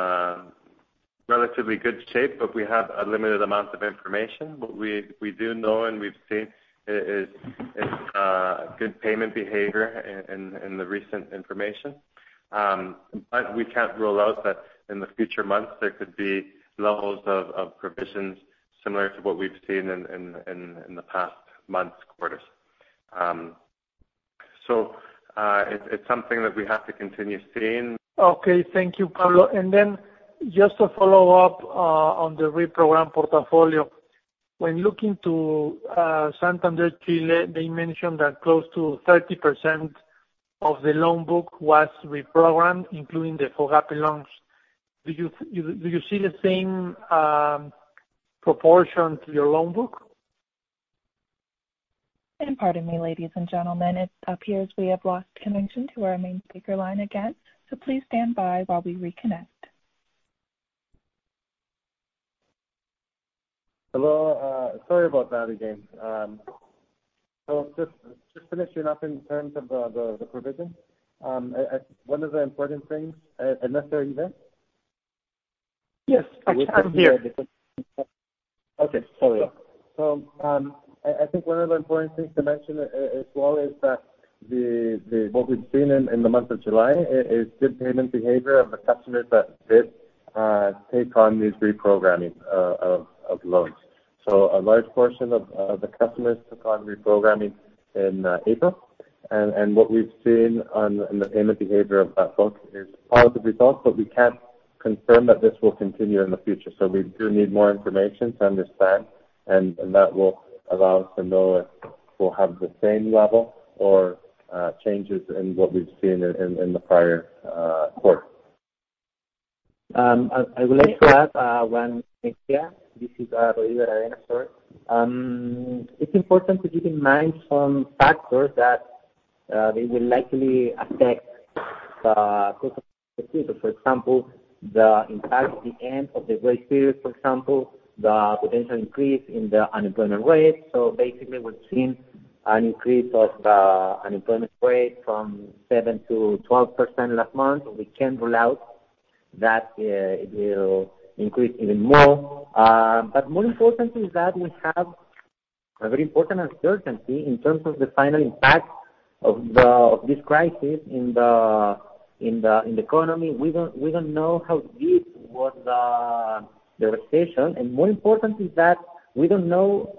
C: relatively good shape, but we have a limited amount of information. What we do know and we've seen is good payment behavior in the recent information. We can't rule out that in the future months, there could be levels of provisions similar to what we've seen in the past months, quarters. It's something that we have to continue seeing.
D: Okay. Thank you, Pablo. Just to follow up on the reprogram portfolio. When looking to Banco Santander-Chile, they mentioned that close to 30% of the loan book was reprogrammed, including the FOGAPE loans. Do you see the same proportion to your loan book?
A: Pardon me, ladies and gentlemen, it appears we have lost connection to our main speaker line again, so please stand by while we reconnect.
C: Hello, sorry about that again. Just finishing up in terms of the provision. One of the important things Ernesto, are you there?
D: Yes, I am here.
C: Okay, carry on. I think one of the important things to mention as well is that what we've seen in the month of July is good payment behavior of the customers that did take on these reprogramming of loans. A large portion of the customers took on reprogramming in April, and what we've seen on the payment behavior of that book is positive results, but we can't confirm that this will continue in the future. We do need more information to understand, and that will allow us to know if we'll have the same level or changes in what we've seen in the prior quarter.
B: I would like to add one thing here. This is Rodrigo Aravena, sorry. It's important to keep in mind some factors that they will likely affect the cost of the future. For example, the impact of the end of the grace period, for example, the potential increase in the unemployment rate. Basically, we've seen an increase of the unemployment rate from 7%-12% last month. We can't rule out that it will increase even more. More important is that we have a very important uncertainty in terms of the final impact of this crisis in the economy. We don't know how deep was the recession, and more important is that we don't know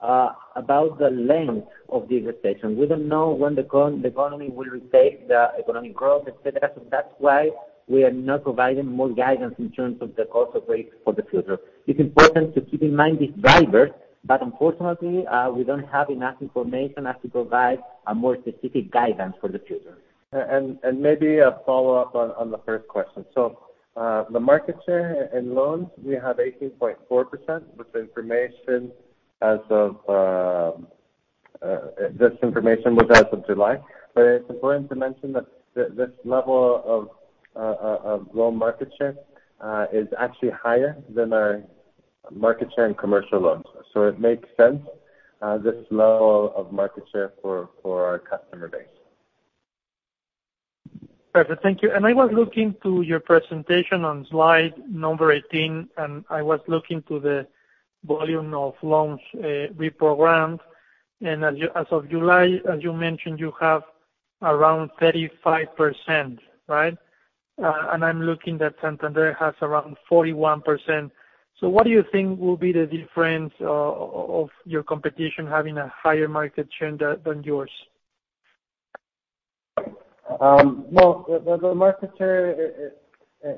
B: about the length of this recession. We don't know when the economy will retake the economic growth, et cetera. That's why we are not providing more guidance in terms of the cost of risk for the future. It's important to keep in mind these drivers, but unfortunately, we don't have enough information as to provide a more specific guidance for the future.
C: Maybe a follow-up on the first question. The market share in loans, we have 18.4%, this information was as of July. It's important to mention that this level of loan market share is actually higher than our market share in commercial loans. It makes sense, this level of market share for our customer base.
D: Perfect. Thank you. I was looking to your presentation on slide 18, and I was looking to the volume of loans reprogrammed. As of July, as you mentioned, you have around 35%, right? I'm looking that Santander has around 41%. What do you think will be the difference of your competition having a higher market share than yours?
C: The market share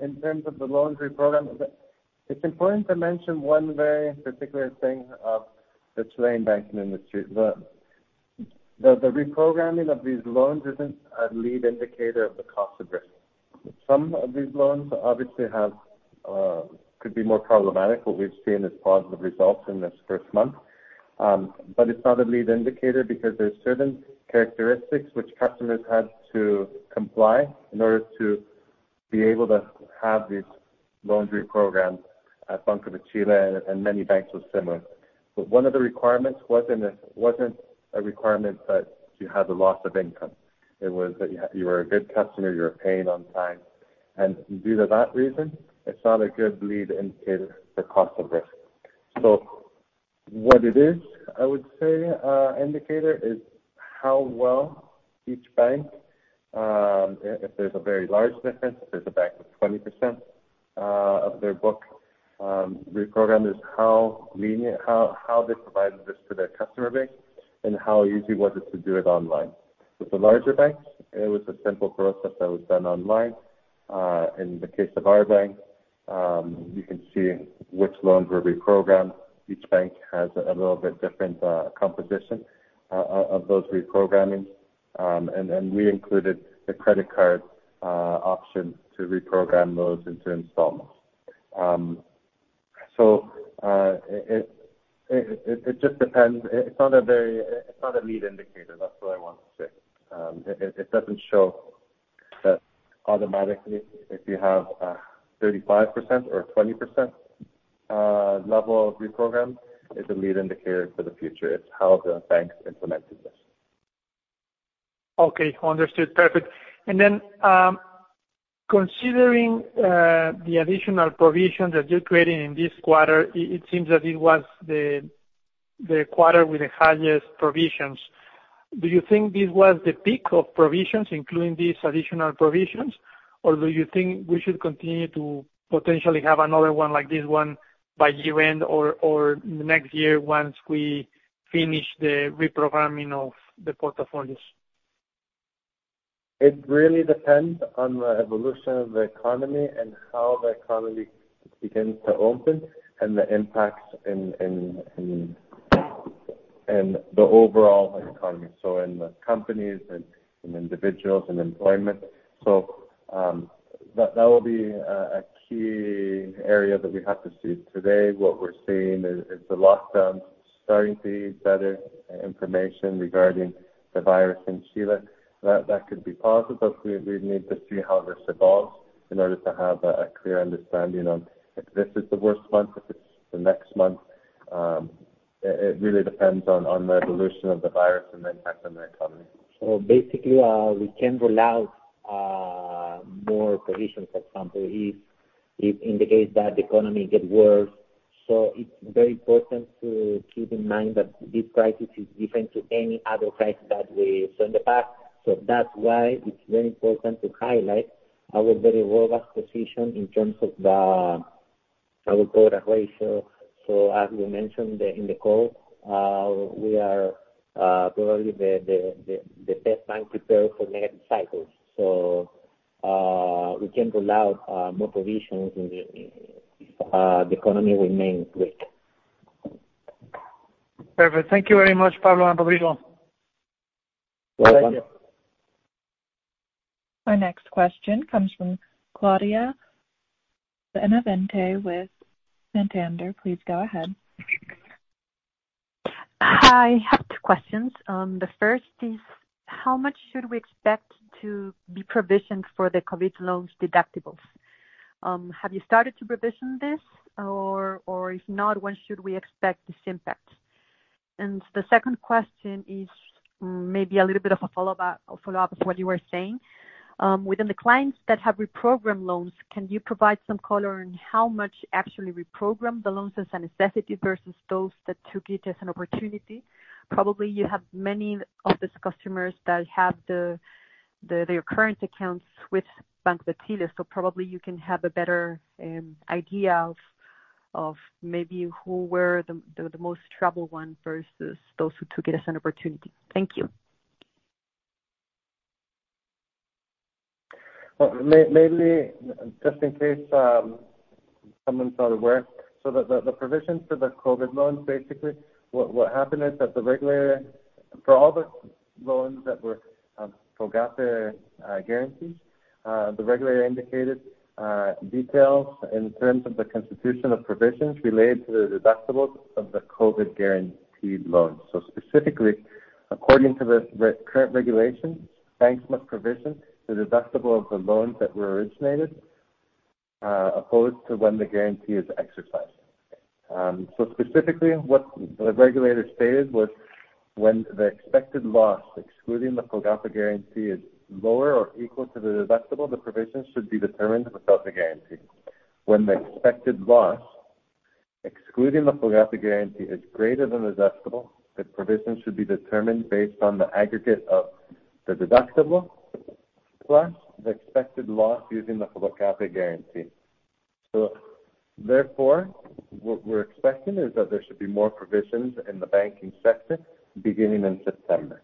C: in terms of the loans reprogram, it's important to mention one very particular thing of the Chilean banking industry. The reprogramming of these loans isn't a lead indicator of the cost of risk. Some of these loans obviously could be more problematic. What we've seen is positive results in this first month. It's not a lead indicator because there are certain characteristics which customers had to comply in order to be able to have these loans reprogrammed at Banco de Chile, and many banks were similar. One of the requirements wasn't a requirement that you had a loss of income. It was that you were a good customer, you were paying on time. Due to that reason, it's not a good lead indicator of the cost of risk. What it is, I would say, indicator is how well each bank If there's a very large difference, if there's a bank with 20% of their book reprogrammed, is how they provided this to their customer base and how easy was it to do it online. With the larger banks, it was a simple process that was done online. In the case of our bank, you can see which loans were reprogrammed. Each bank has a little bit different composition of those reprogramming. We included the credit card option to reprogram those into installments. It just depends. It's not a lead indicator. That's what I want to say. It doesn't show that automatically, if you have a 35% or 20% level of reprogram, it's a lead indicator for the future. It's how the banks implemented this.
D: Okay. Understood. Perfect. Considering the additional provisions that you created in this quarter, it seems that it was the quarter with the highest provisions. Do you think this was the peak of provisions, including these additional provisions, or do you think we should continue to potentially have another one like this one by year-end or next year once we finish the reprogramming of the portfolios?
C: It really depends on the evolution of the economy and how the economy begins to open and the impacts in the overall economy, in the companies and in individuals and employment. That will be a key area that we have to see. Today, what we're seeing is the lockdowns starting to be better information regarding the virus in Chile. That could be positive. We need to see how this evolves in order to have a clear understanding on if this is the worst month, if it's the next month. It really depends on the evolution of the virus and the impact on the economy.
B: Basically, we can roll out more provisions, for example, if it indicates that the economy get worse. It's very important to keep in mind that this crisis is different to any other crisis that we saw in the past. That's why it's very important to highlight our very robust position in terms of our coverage ratio. As we mentioned in the call, we are probably the best bank prepared for the next cycles. We can roll out more provisions if the economy remains weak.
D: Perfect. Thank you very much, Pablo and Rodrigo.
C: Welcome.
B: Thank you.
A: Our next question comes from Claudia Benavente with Santander. Please go ahead.
E: Hi. I have two questions. The first is, how much should we expect to be provisioned for the COVID loans deductibles? Have you started to provision this? If not, when should we expect this impact? The second question is maybe a little bit of a follow-up of what you were saying. Within the clients that have reprogrammed loans, can you provide some color on how much actually reprogrammed the loans as a necessity versus those that took it as an opportunity? Probably you have many of these customers that have their current accounts with Banco de Chile. Probably you can have a better idea of maybe who were the most troubled ones versus those who took it as an opportunity. Thank you.
C: Well, maybe just in case someone's not aware. The provisions for the COVID loans, basically, what happened is that for all the loans that were FOGAPE guarantees, the regulator indicated details in terms of the constitution of provisions related to the deductibles of the COVID guaranteed loans. Specifically, according to the current regulations, banks must provision the deductible of the loans that were originated, opposed to when the guarantee is exercised. Specifically, what the regulator stated was when the expected loss, excluding the FOGAPE guarantee, is lower or equal to the deductible, the provision should be determined without the guarantee. When the expected loss, excluding the FOGAPE guarantee, is greater than the deductible, the provision should be determined based on the aggregate of the deductible, plus the expected loss using the FOGAPE guarantee. Therefore, what we're expecting is that there should be more provisions in the banking sector beginning in September.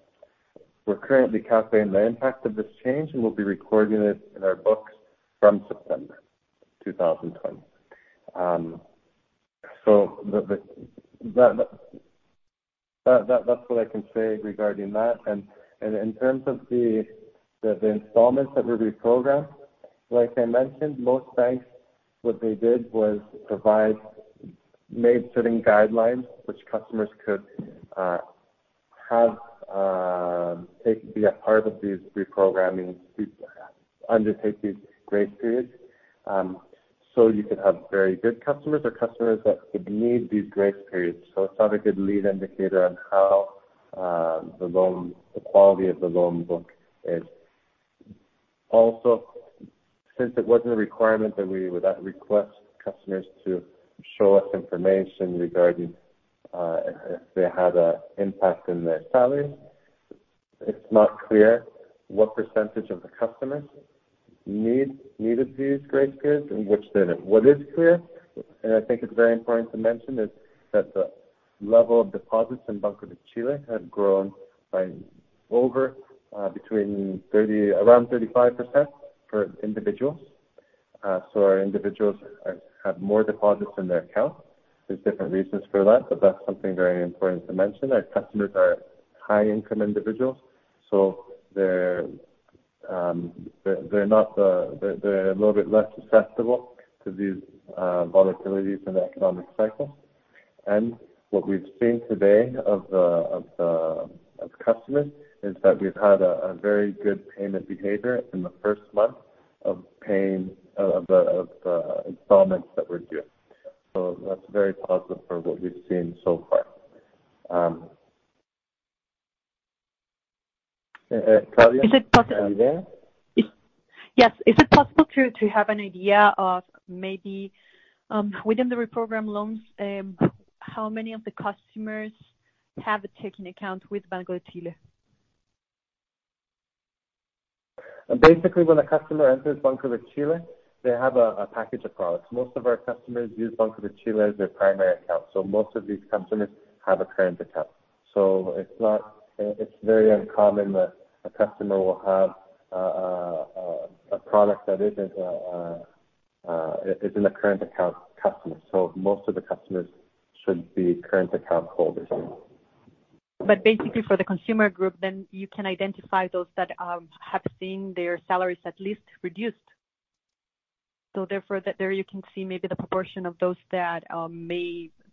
C: We're currently calculating the impact of this change, and we'll be recording it in our books from September 2020. That's what I can say regarding that. In terms of the installments that were reprogrammed, like I mentioned, most banks, what they did was made certain guidelines which customers could have be a part of these reprogramming to undertake these grace periods. You could have very good customers or customers that would need these grace periods. It's not a good lead indicator on how the quality of the loan book is. Since it wasn't a requirement that we would request customers to show us information regarding if they had an impact in their salary, it's not clear what % of the customers needed these grace periods and which didn't. What is clear, and I think it's very important to mention, is that the level of deposits in Banco de Chile had grown by around 35% for individuals. Our individuals have more deposits in their accounts. There's different reasons for that, but that's something very important to mention. Our customers are high-income individuals, so they're a little bit less susceptible to these volatilities in the economic cycle. What we've seen today of customers is that we've had a very good payment behavior in the first month of the installments that were due. That's very positive for what we've seen so far. Claudia? Are you there?
E: Yes. Is it possible to have an idea of maybe within the reprogrammed loans, how many of the customers have a checking account with Banco de Chile?
C: When a customer enters Banco de Chile, they have a package of products. Most of our customers use Banco de Chile as their primary account, most of these customers have a current account. It's very uncommon that a customer will have a product that isn't a current account customer. Most of the customers should be current account holders.
E: Basically, for the consumer group, then you can identify those that have seen their salaries at least reduced. There you can see maybe the proportion of those that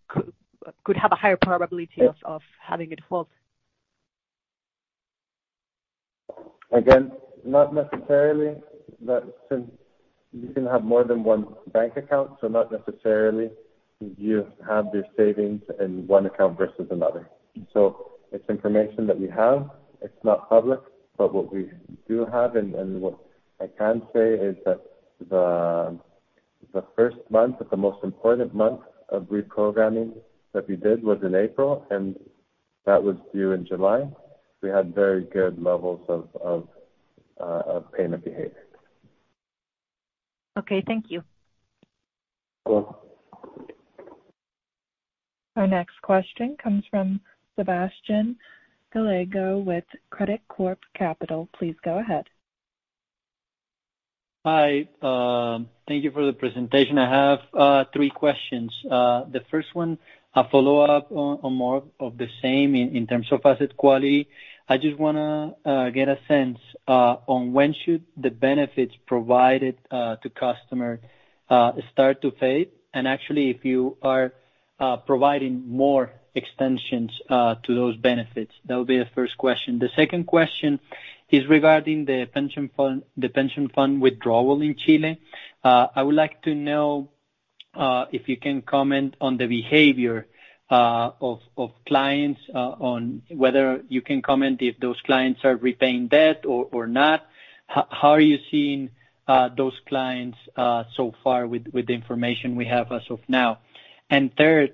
E: could have a higher probability of having defaults.
C: Again, not necessarily. You can have more than one bank account, so not necessarily you have your savings in one account versus another. It's information that we have. It's not public, but what we do have and what I can say is that the first month or the most important month of reprogramming that we did was in April, and that was due in July. We had very good levels of payment behavior.
E: Okay. Thank you.
C: Welcome.
A: Our next question comes from Sebastian Gallego with Credicorp Capital. Please go ahead.
F: Hi. Thank you for the presentation. I have three questions. The first one, a follow-up on more of the same in terms of asset quality. I just want to get a sense on when should the benefits provided to customer start to fade, and actually, if you are providing more extensions to those benefits. That would be the first question. The second question is regarding the pension fund withdrawal in Chile. I would like to know if you can comment on the behavior of clients, on whether you can comment if those clients are repaying debt or not. How are you seeing those clients so far with the information we have as of now? Third,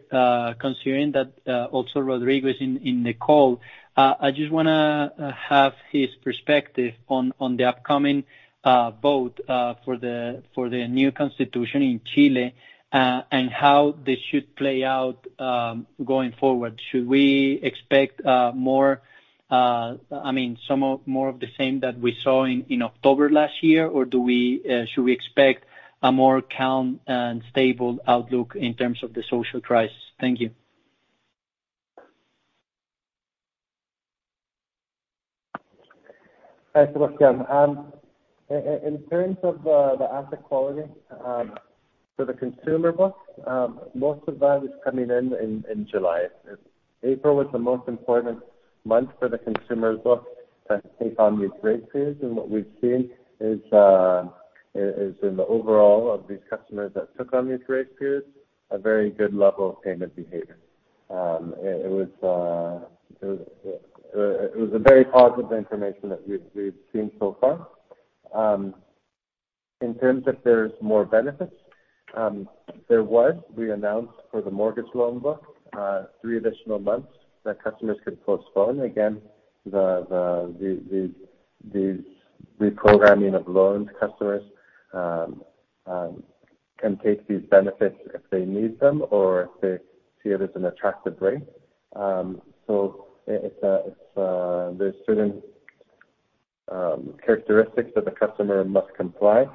F: considering that also Rodrigo is in the call, I just want to have his perspective on the upcoming vote for the new constitution in Chile, and how this should play out going forward. Should we expect more I mean, some more of the same that we saw in October last year, or should we expect a more calm and stable outlook in terms of the social crisis? Thank you.
C: Hi, Sebastian. In terms of the asset quality for the consumer book, most of that is coming in in July. April was the most important month for the consumer book to take on these grace periods. What we've seen is, in the overall of these customers that took on these grace periods, a very good level of payment behavior. It was a very positive information that we've seen so far. In terms of there's more benefits, there was. We announced for the mortgage loan book, three additional months that customers could postpone. Again, this reprogramming of loans, customers can take these benefits if they need them or if they see it as an attractive rate. There's certain characteristics that the customer must comply,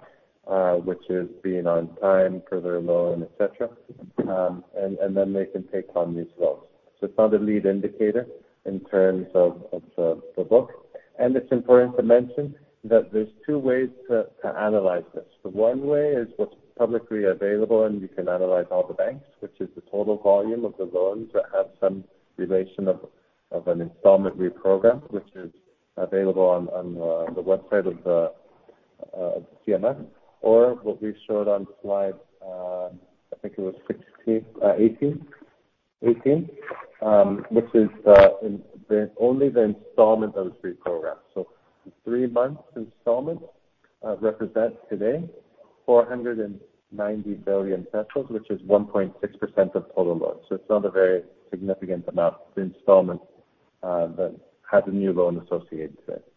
C: which is being on time for their loan, et cetera, and then they can take on these loans. It's not a lead indicator in terms of the book. It's important to mention that there's two ways to analyze this. The one way is what's publicly available, and you can analyze all the banks, which is the total volume of the loans that have some relation of an installment reprogram, which is available on the website of the CMF, or what we showed on slide, I think it was 16, 18? 18. Which is only the installment that was reprogrammed. Three months installment represents today 490 billion pesos, which is 1.6% of total loans. It's not a very significant amount of installments that had a new loan associated to it.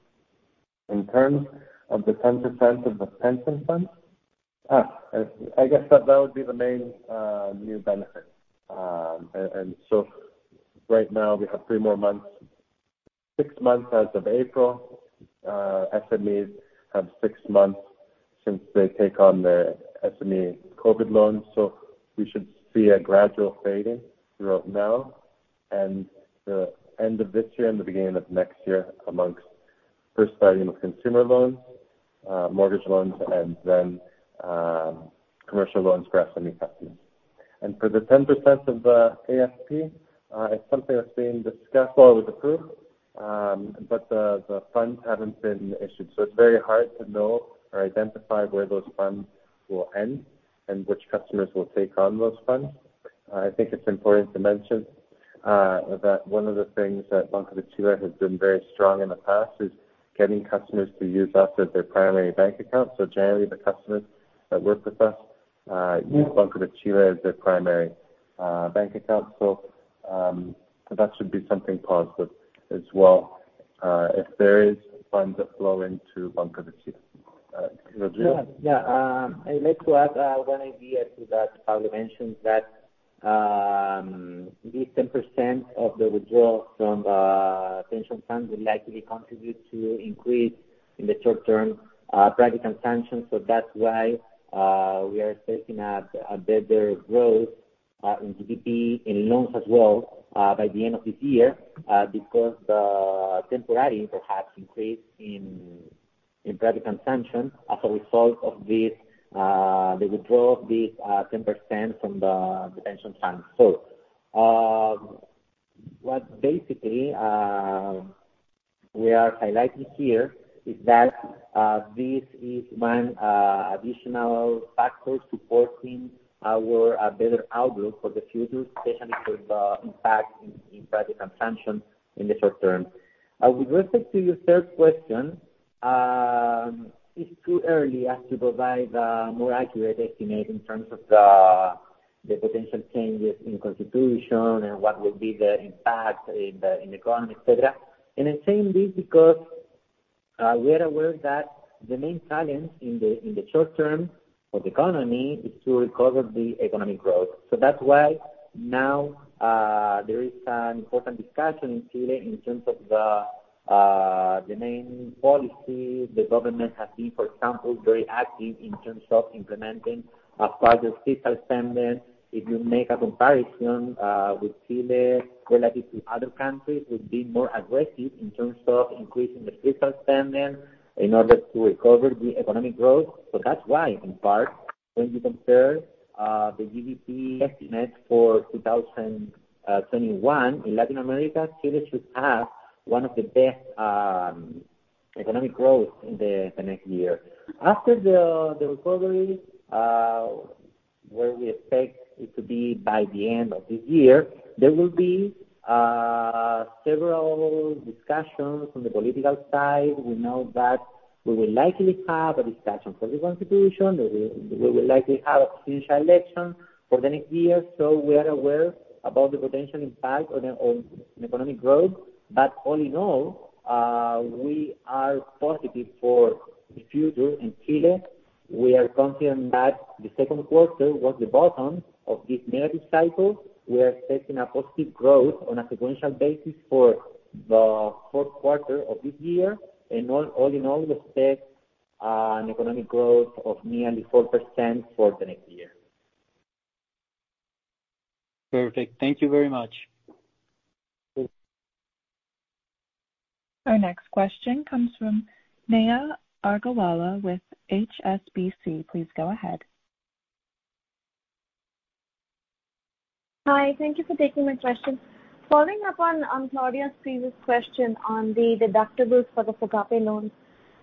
C: In terms of the 10% of the pension funds, I guess that would be the main new benefit. Right now we have three more months, six months as of April. SMEs have six months since they take on their SME COVID loans. We should see a gradual fading throughout now and the end of this year and the beginning of next year amongst first starting with consumer loans, mortgage loans, and then commercial loans for SME customers. For the 10% of the AFP, it's something that's being discussed or was approved, but the funds haven't been issued, so it's very hard to know or identify where those funds will end and which customers will take on those funds. I think it's important to mention that one of the things that Banco de Chile has been very strong in the past is getting customers to use us as their primary bank account. Generally, the customers that work with us use Banco de Chile as their primary bank account. That should be something positive as well, if there is funds that flow into Banco de Chile. Rodrigo?
B: Yeah. I'd like to add one idea to that. Pablo mentioned that this 10% of the withdrawal from pension funds will likely contribute to increase in the short term private consumption. That's why we are expecting a better growth in GDP, in loans as well, by the end of this year, because the temporary perhaps increase in private consumption as a result of the withdrawal of this 10% from the pension fund. What basically we are highlighting here is that this is one additional factor supporting our better outlook for the future, especially with the impact in private consumption in the short term. With respect to your third question, it's too early as to provide a more accurate estimate in terms of the potential changes in constitution and what will be the impact in the economy, et cetera. I'm saying this because we are aware that the main challenge in the short term of the economy is to recover the economic growth. That's why now there is an important discussion in Chile in terms of the main policy. The government has been, for example, very active in terms of implementing a larger fiscal spending. If you make a comparison with Chile relative to other countries, we've been more aggressive in terms of increasing the fiscal spending in order to recover the economic growth. That's why, in part, when you compare the GDP estimate for 2021 in Latin America, Chile should have one of the best economic growth in the next year. After the recovery, where we expect it to be by the end of this year, there will be several discussions on the political side. We know that we will likely have a discussion for the constitution. We will likely have a presidential election for the next year. We are aware about the potential impact on economic growth. All in all, we are positive for the future in Chile. We are confident that the second quarter was the bottom of this negative cycle. We are expecting a positive growth on a sequential basis for the fourth quarter of this year. All in all, we expect an economic growth of nearly 4% for the next year.
C: Perfect. Thank you very much.
A: Our next question comes from Neha Agarwala with HSBC. Please go ahead.
G: Hi. Thank you for taking my question. Following up on Claudia's previous question on the deductibles for the FOGAPE loans,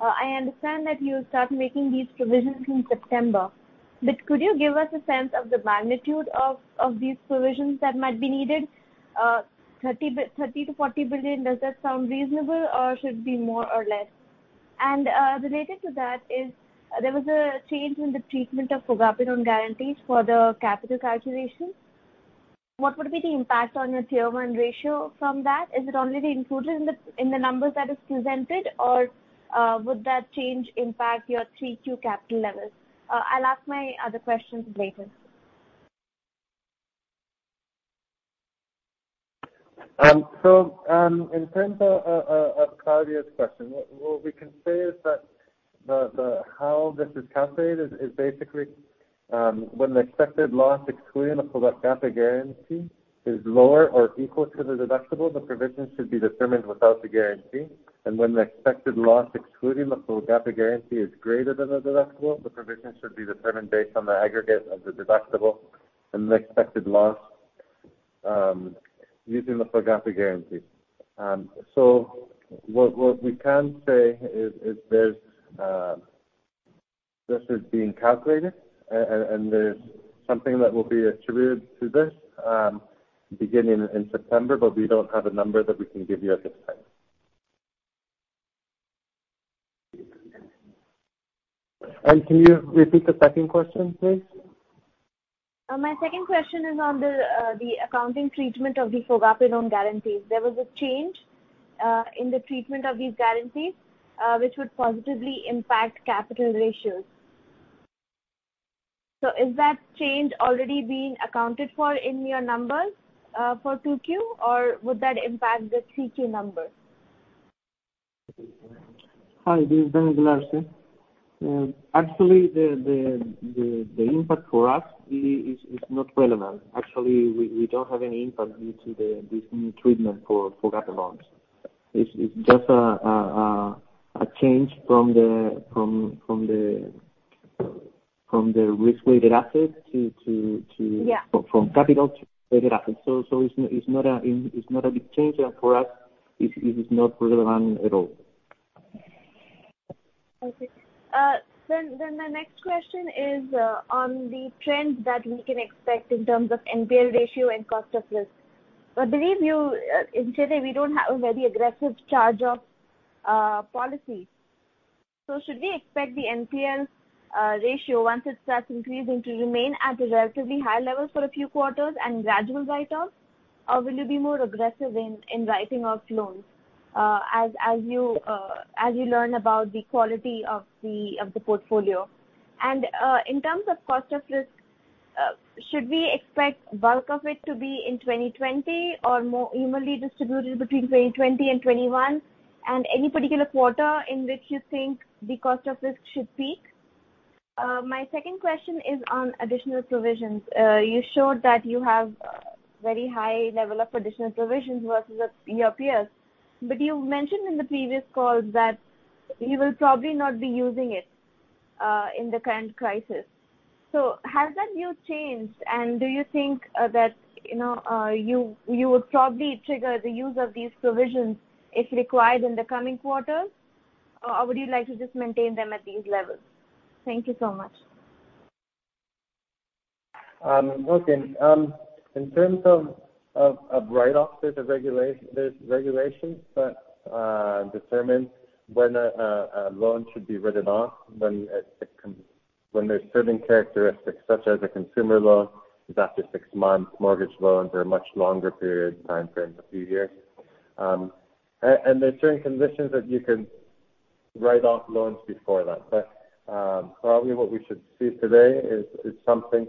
G: I understand that you start making these provisions in September, could you give us a sense of the magnitude of these provisions that might be needed? 30 billion-40 billion, does that sound reasonable or should it be more or less? Related to that is, there was a change in the treatment of FOGAPE on guarantees for the capital calculations. What would be the impact on your Tier 1 ratio from that? Is it already included in the numbers that is presented or would that change impact your Tier 2 capital levels? I'll ask my other questions later.
C: In terms of Claudia's question, what we can say is that how this is calculated is basically when the expected loss excluding the FOGAPE guarantee is lower or equal to the deductible, the provision should be determined without the guarantee. When the expected loss excluding the FOGAPE guarantee is greater than the deductible, the provision should be determined based on the aggregate of the deductible and the expected loss using the FOGAPE guarantee. What we can say is this is being calculated, and there's something that will be attributed to this, beginning in September, but we don't have a number that we can give you at this time. Can you repeat the second question, please?
G: My second question is on the accounting treatment of the FOGAPE on guarantees. There was a change in the treatment of these guarantees, which would positively impact capital ratios. Is that change already being accounted for in your numbers for 2Q, or would that impact the 3Q numbers?
H: Hi, this is Daniel Galarce. Actually, the impact for us is not relevant. Actually, we don't have any impact due to this new treatment for FOGAPE loans. It's just a change from the risk-weighted asset.
G: Yeah
H: from capital to weighted asset. It's not a big change, and for us, it is not relevant at all.
G: Okay. The next question is on the trends that we can expect in terms of NPL ratio and cost of risk. I believe you, in Chile, we don't have a very aggressive charge-off policy. Should we expect the NPL ratio, once it starts increasing, to remain at a relatively high level for a few quarters and gradual write-offs? Or will you be more aggressive in writing off loans as you learn about the quality of the portfolio? In terms of cost of risk, should we expect bulk of it to be in 2020 or more evenly distributed between 2020 and 2021? Any particular quarter in which you think the cost of risk should peak? My second question is on additional provisions. You showed that you have very high level of additional provisions versus your peers, but you mentioned in the previous calls that you will probably not be using it, in the current crisis. Has that view changed, and do you think that you would probably trigger the use of these provisions if required in the coming quarters, or would you like to just maintain them at these levels? Thank you so much.
C: In terms of write-offs, there's regulations that determine when a loan should be written off, when there are certain characteristics, such as a consumer loan is after six months, mortgage loans are much longer period time frame, a few years. There are certain conditions that you can write off loans before that. Probably what we should see today is something in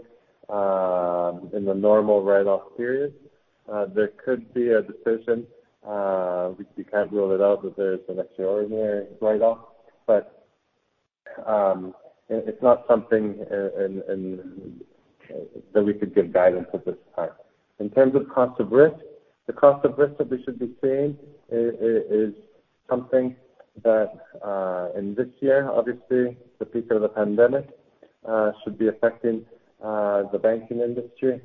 C: the normal write-off period. There could be a decision, we can't rule it out that there is an extraordinary write-off, but it's not something that we could give guidance at this time. In terms of cost of risk, the cost of risk that we should be seeing is something that in this year, obviously, the peak of the pandemic should be affecting the banking industry.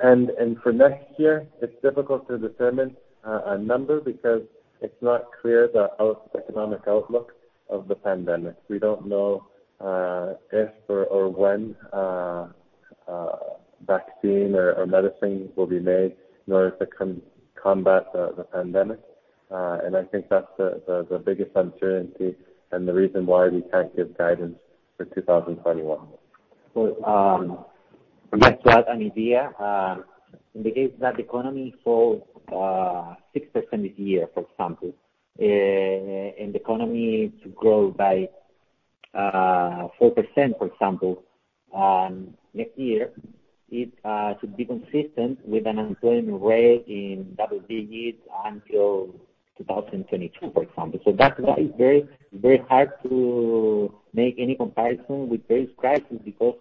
C: For next year, it's difficult to determine a number because it's not clear the economic outlook of the pandemic. We don't know if or when vaccine or medicine will be made in order to combat the pandemic. I think that's the biggest uncertainty and the reason why we can't give guidance for 2021.
B: Just to add an idea, in the case that the economy falls 6% this year, for example, and the economy to grow by 4%, for example, next year, it should be consistent with an unemployment rate in double digits until 2022. That's why it's very hard to make any comparison with previous crisis because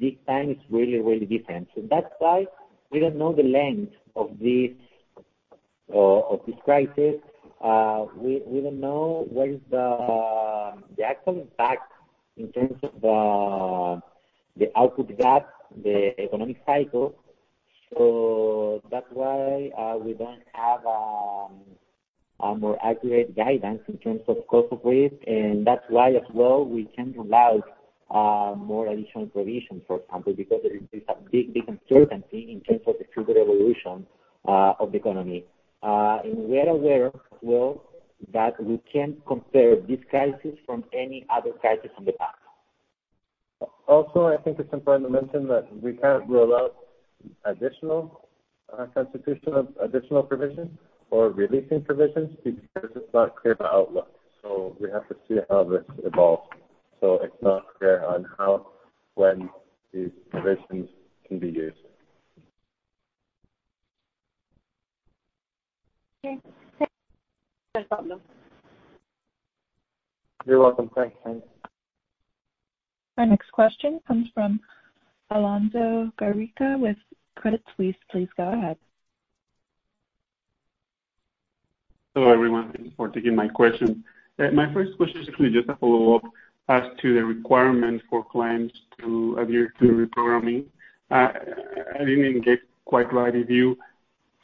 B: this time it's really different. That's why we don't know the length of this crisis. We don't know what is the actual impact in terms of the output gap, the economic cycle. That's why we don't have a more accurate guidance in terms of cost of risk, and that's why as well, we can't allow more additional provisions, for example, because there is a big uncertainty in terms of the future evolution of the economy. We are aware as well that we can't compare this crisis from any other crisis in the past.
C: Also, I think it's important to mention that we can't rule out additional constitution of additional provisions or releasing provisions because it's not clear the outlook. We have to see how this evolves. It's not clear on how, when these provisions can be used.
G: Okay. Thanks.
B: No problem.
C: You're welcome. Thanks.
A: Our next question comes from Alonso Garcia with Credit Suisse. Please go ahead.
I: Hello, everyone. Thank you for taking my question. My first question is actually just a follow-up as to the requirement for clients to adhere to reprogramming. I didn't get quite clear if you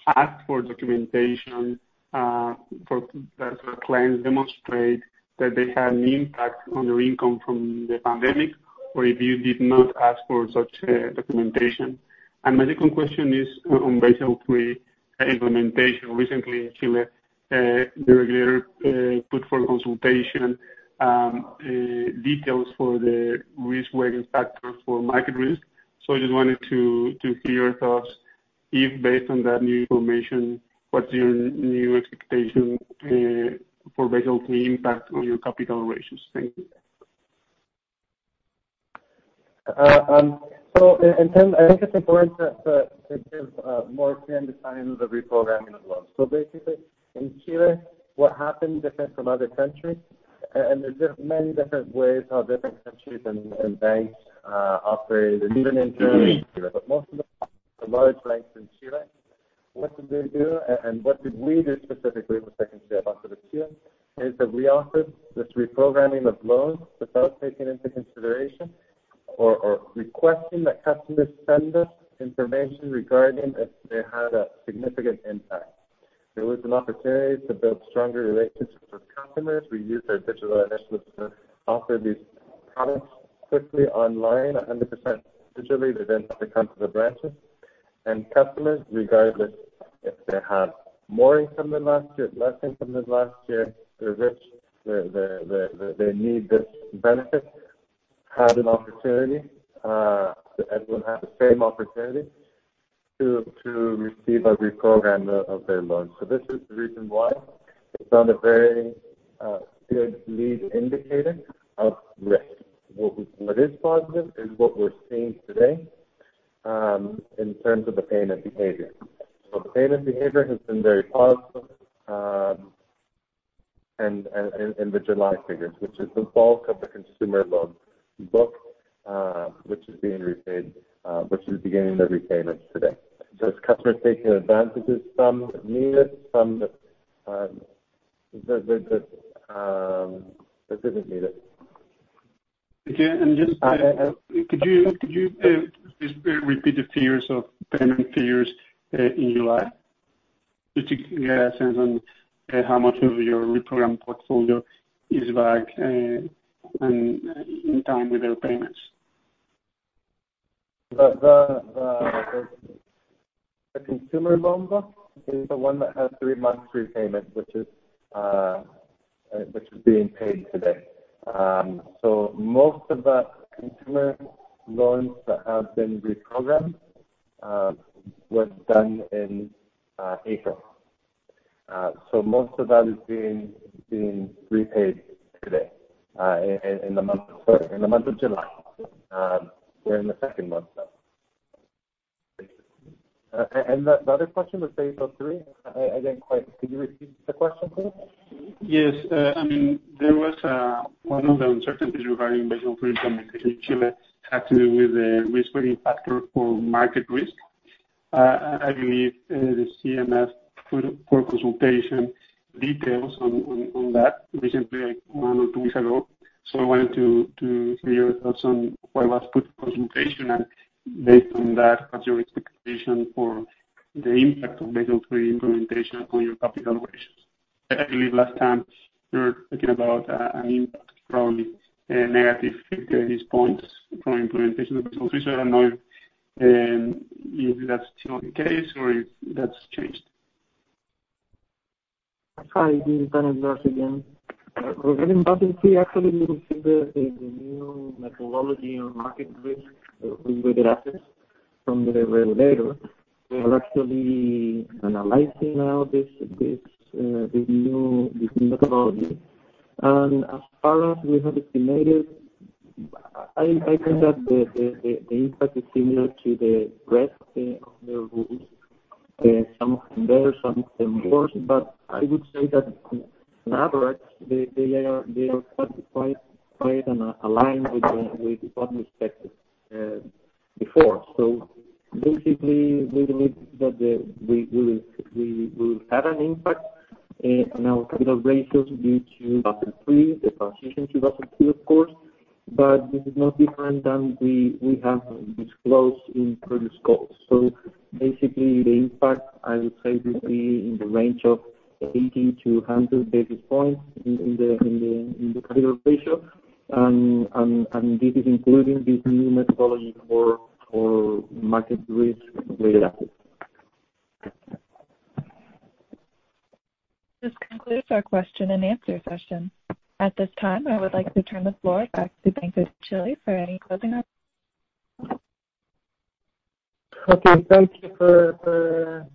I: asked for documentation that your clients demonstrate that they had an impact on their income from the pandemic, or if you did not ask for such documentation. My second question is on Basel III implementation. Recently in Chile, the regulator put for consultation details for the risk-weighting factor for market risk. I just wanted to hear your thoughts if based on that new information, what's your new expectation for Basel III impact on your capital ratios? Thank you.
C: In terms, I think it's important to give a more clear understanding of the reprogramming of loans. Basically, in Chile, what happened different from other countries, and there's just many different ways how different countries and banks operate, and even in terms of Chile but most of the large banks in Chile, what did they do, and what did we do specifically with Banco de Chile, is that we offered this reprogramming of loans without taking into consideration or requesting that customers send us information regarding if they had a significant impact. There was an opportunity to build stronger relationships with customers. We used our digital initiatives to offer these products quickly online, 100% digitally. They didn't have to come to the branches. Customers, regardless if they had more income than last year, less income than last year, they're rich, they need this benefit, had an opportunity. Everyone had the same opportunity to receive a reprogram of their loans. This is the reason why it's been a very good lead indicator of risk. What is positive is what we're seeing today, in terms of the payment behavior. The payment behavior has been very positive, and in the July figures, which is the bulk of the consumer loan book which is beginning the repayments today. There's customers taking advantages, some that need it, some that didn't need it.
I: Okay. Just could you please repeat the payment figures in July, just to get a sense on how much of your reprogrammed portfolio is back and on time with their payments?
C: The consumer loan book is the one that has three months repayment, which is being paid today. Most of the consumer loans that have been reprogrammed were done in April. Most of that is being repaid today, in the month of July. We're in the second month now. The other question was Basel III? Could you repeat the question, please?
I: Yes. There was one of the uncertainties regarding Basel III implementation in Chile had to do with the risk-weighting factor for market risk. I believe the CMF put for consultation details on that recently, one or two weeks ago. I wanted to hear your thoughts on what was put for consultation, and based on that, what's your expectation for the impact of Basel III implementation on your capital ratios? I believe last time you were talking about an impact, probably a -50 basis points from implementation of Basel III, so I don't know if that's still the case or if that's changed.
H: Hi, this is Daniel Galarce again. Regarding Basel III, actually, we received the new methodology on market risk related assets from the regulator. We are actually analyzing now this new methodology. As far as we have estimated, I think that the impact is similar to the rest of the rules. Some of them better, some of them worse. I would say that on average, they are satisfied and aligned with what we expected before. Basically, we believe that we will have an impact on our capital ratios due to Basel III, the transition to Basel III, of course, but this is not different than we have disclosed in previous calls. Basically, the impact, I would say, will be in the range of 80-100 basis points in the capital ratio. This is including this new methodology for market risk related assets.
A: This concludes our question and answer session. At this time, I would like to turn the floor back to Banco de Chile for any closing remarks.
C: Okay. Thank you for the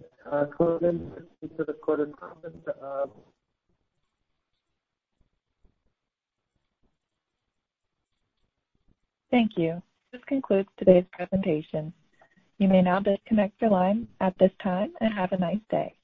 C: coded conference.
A: Thank you. This concludes today's presentation. You may now disconnect your line at this time, and have a nice day.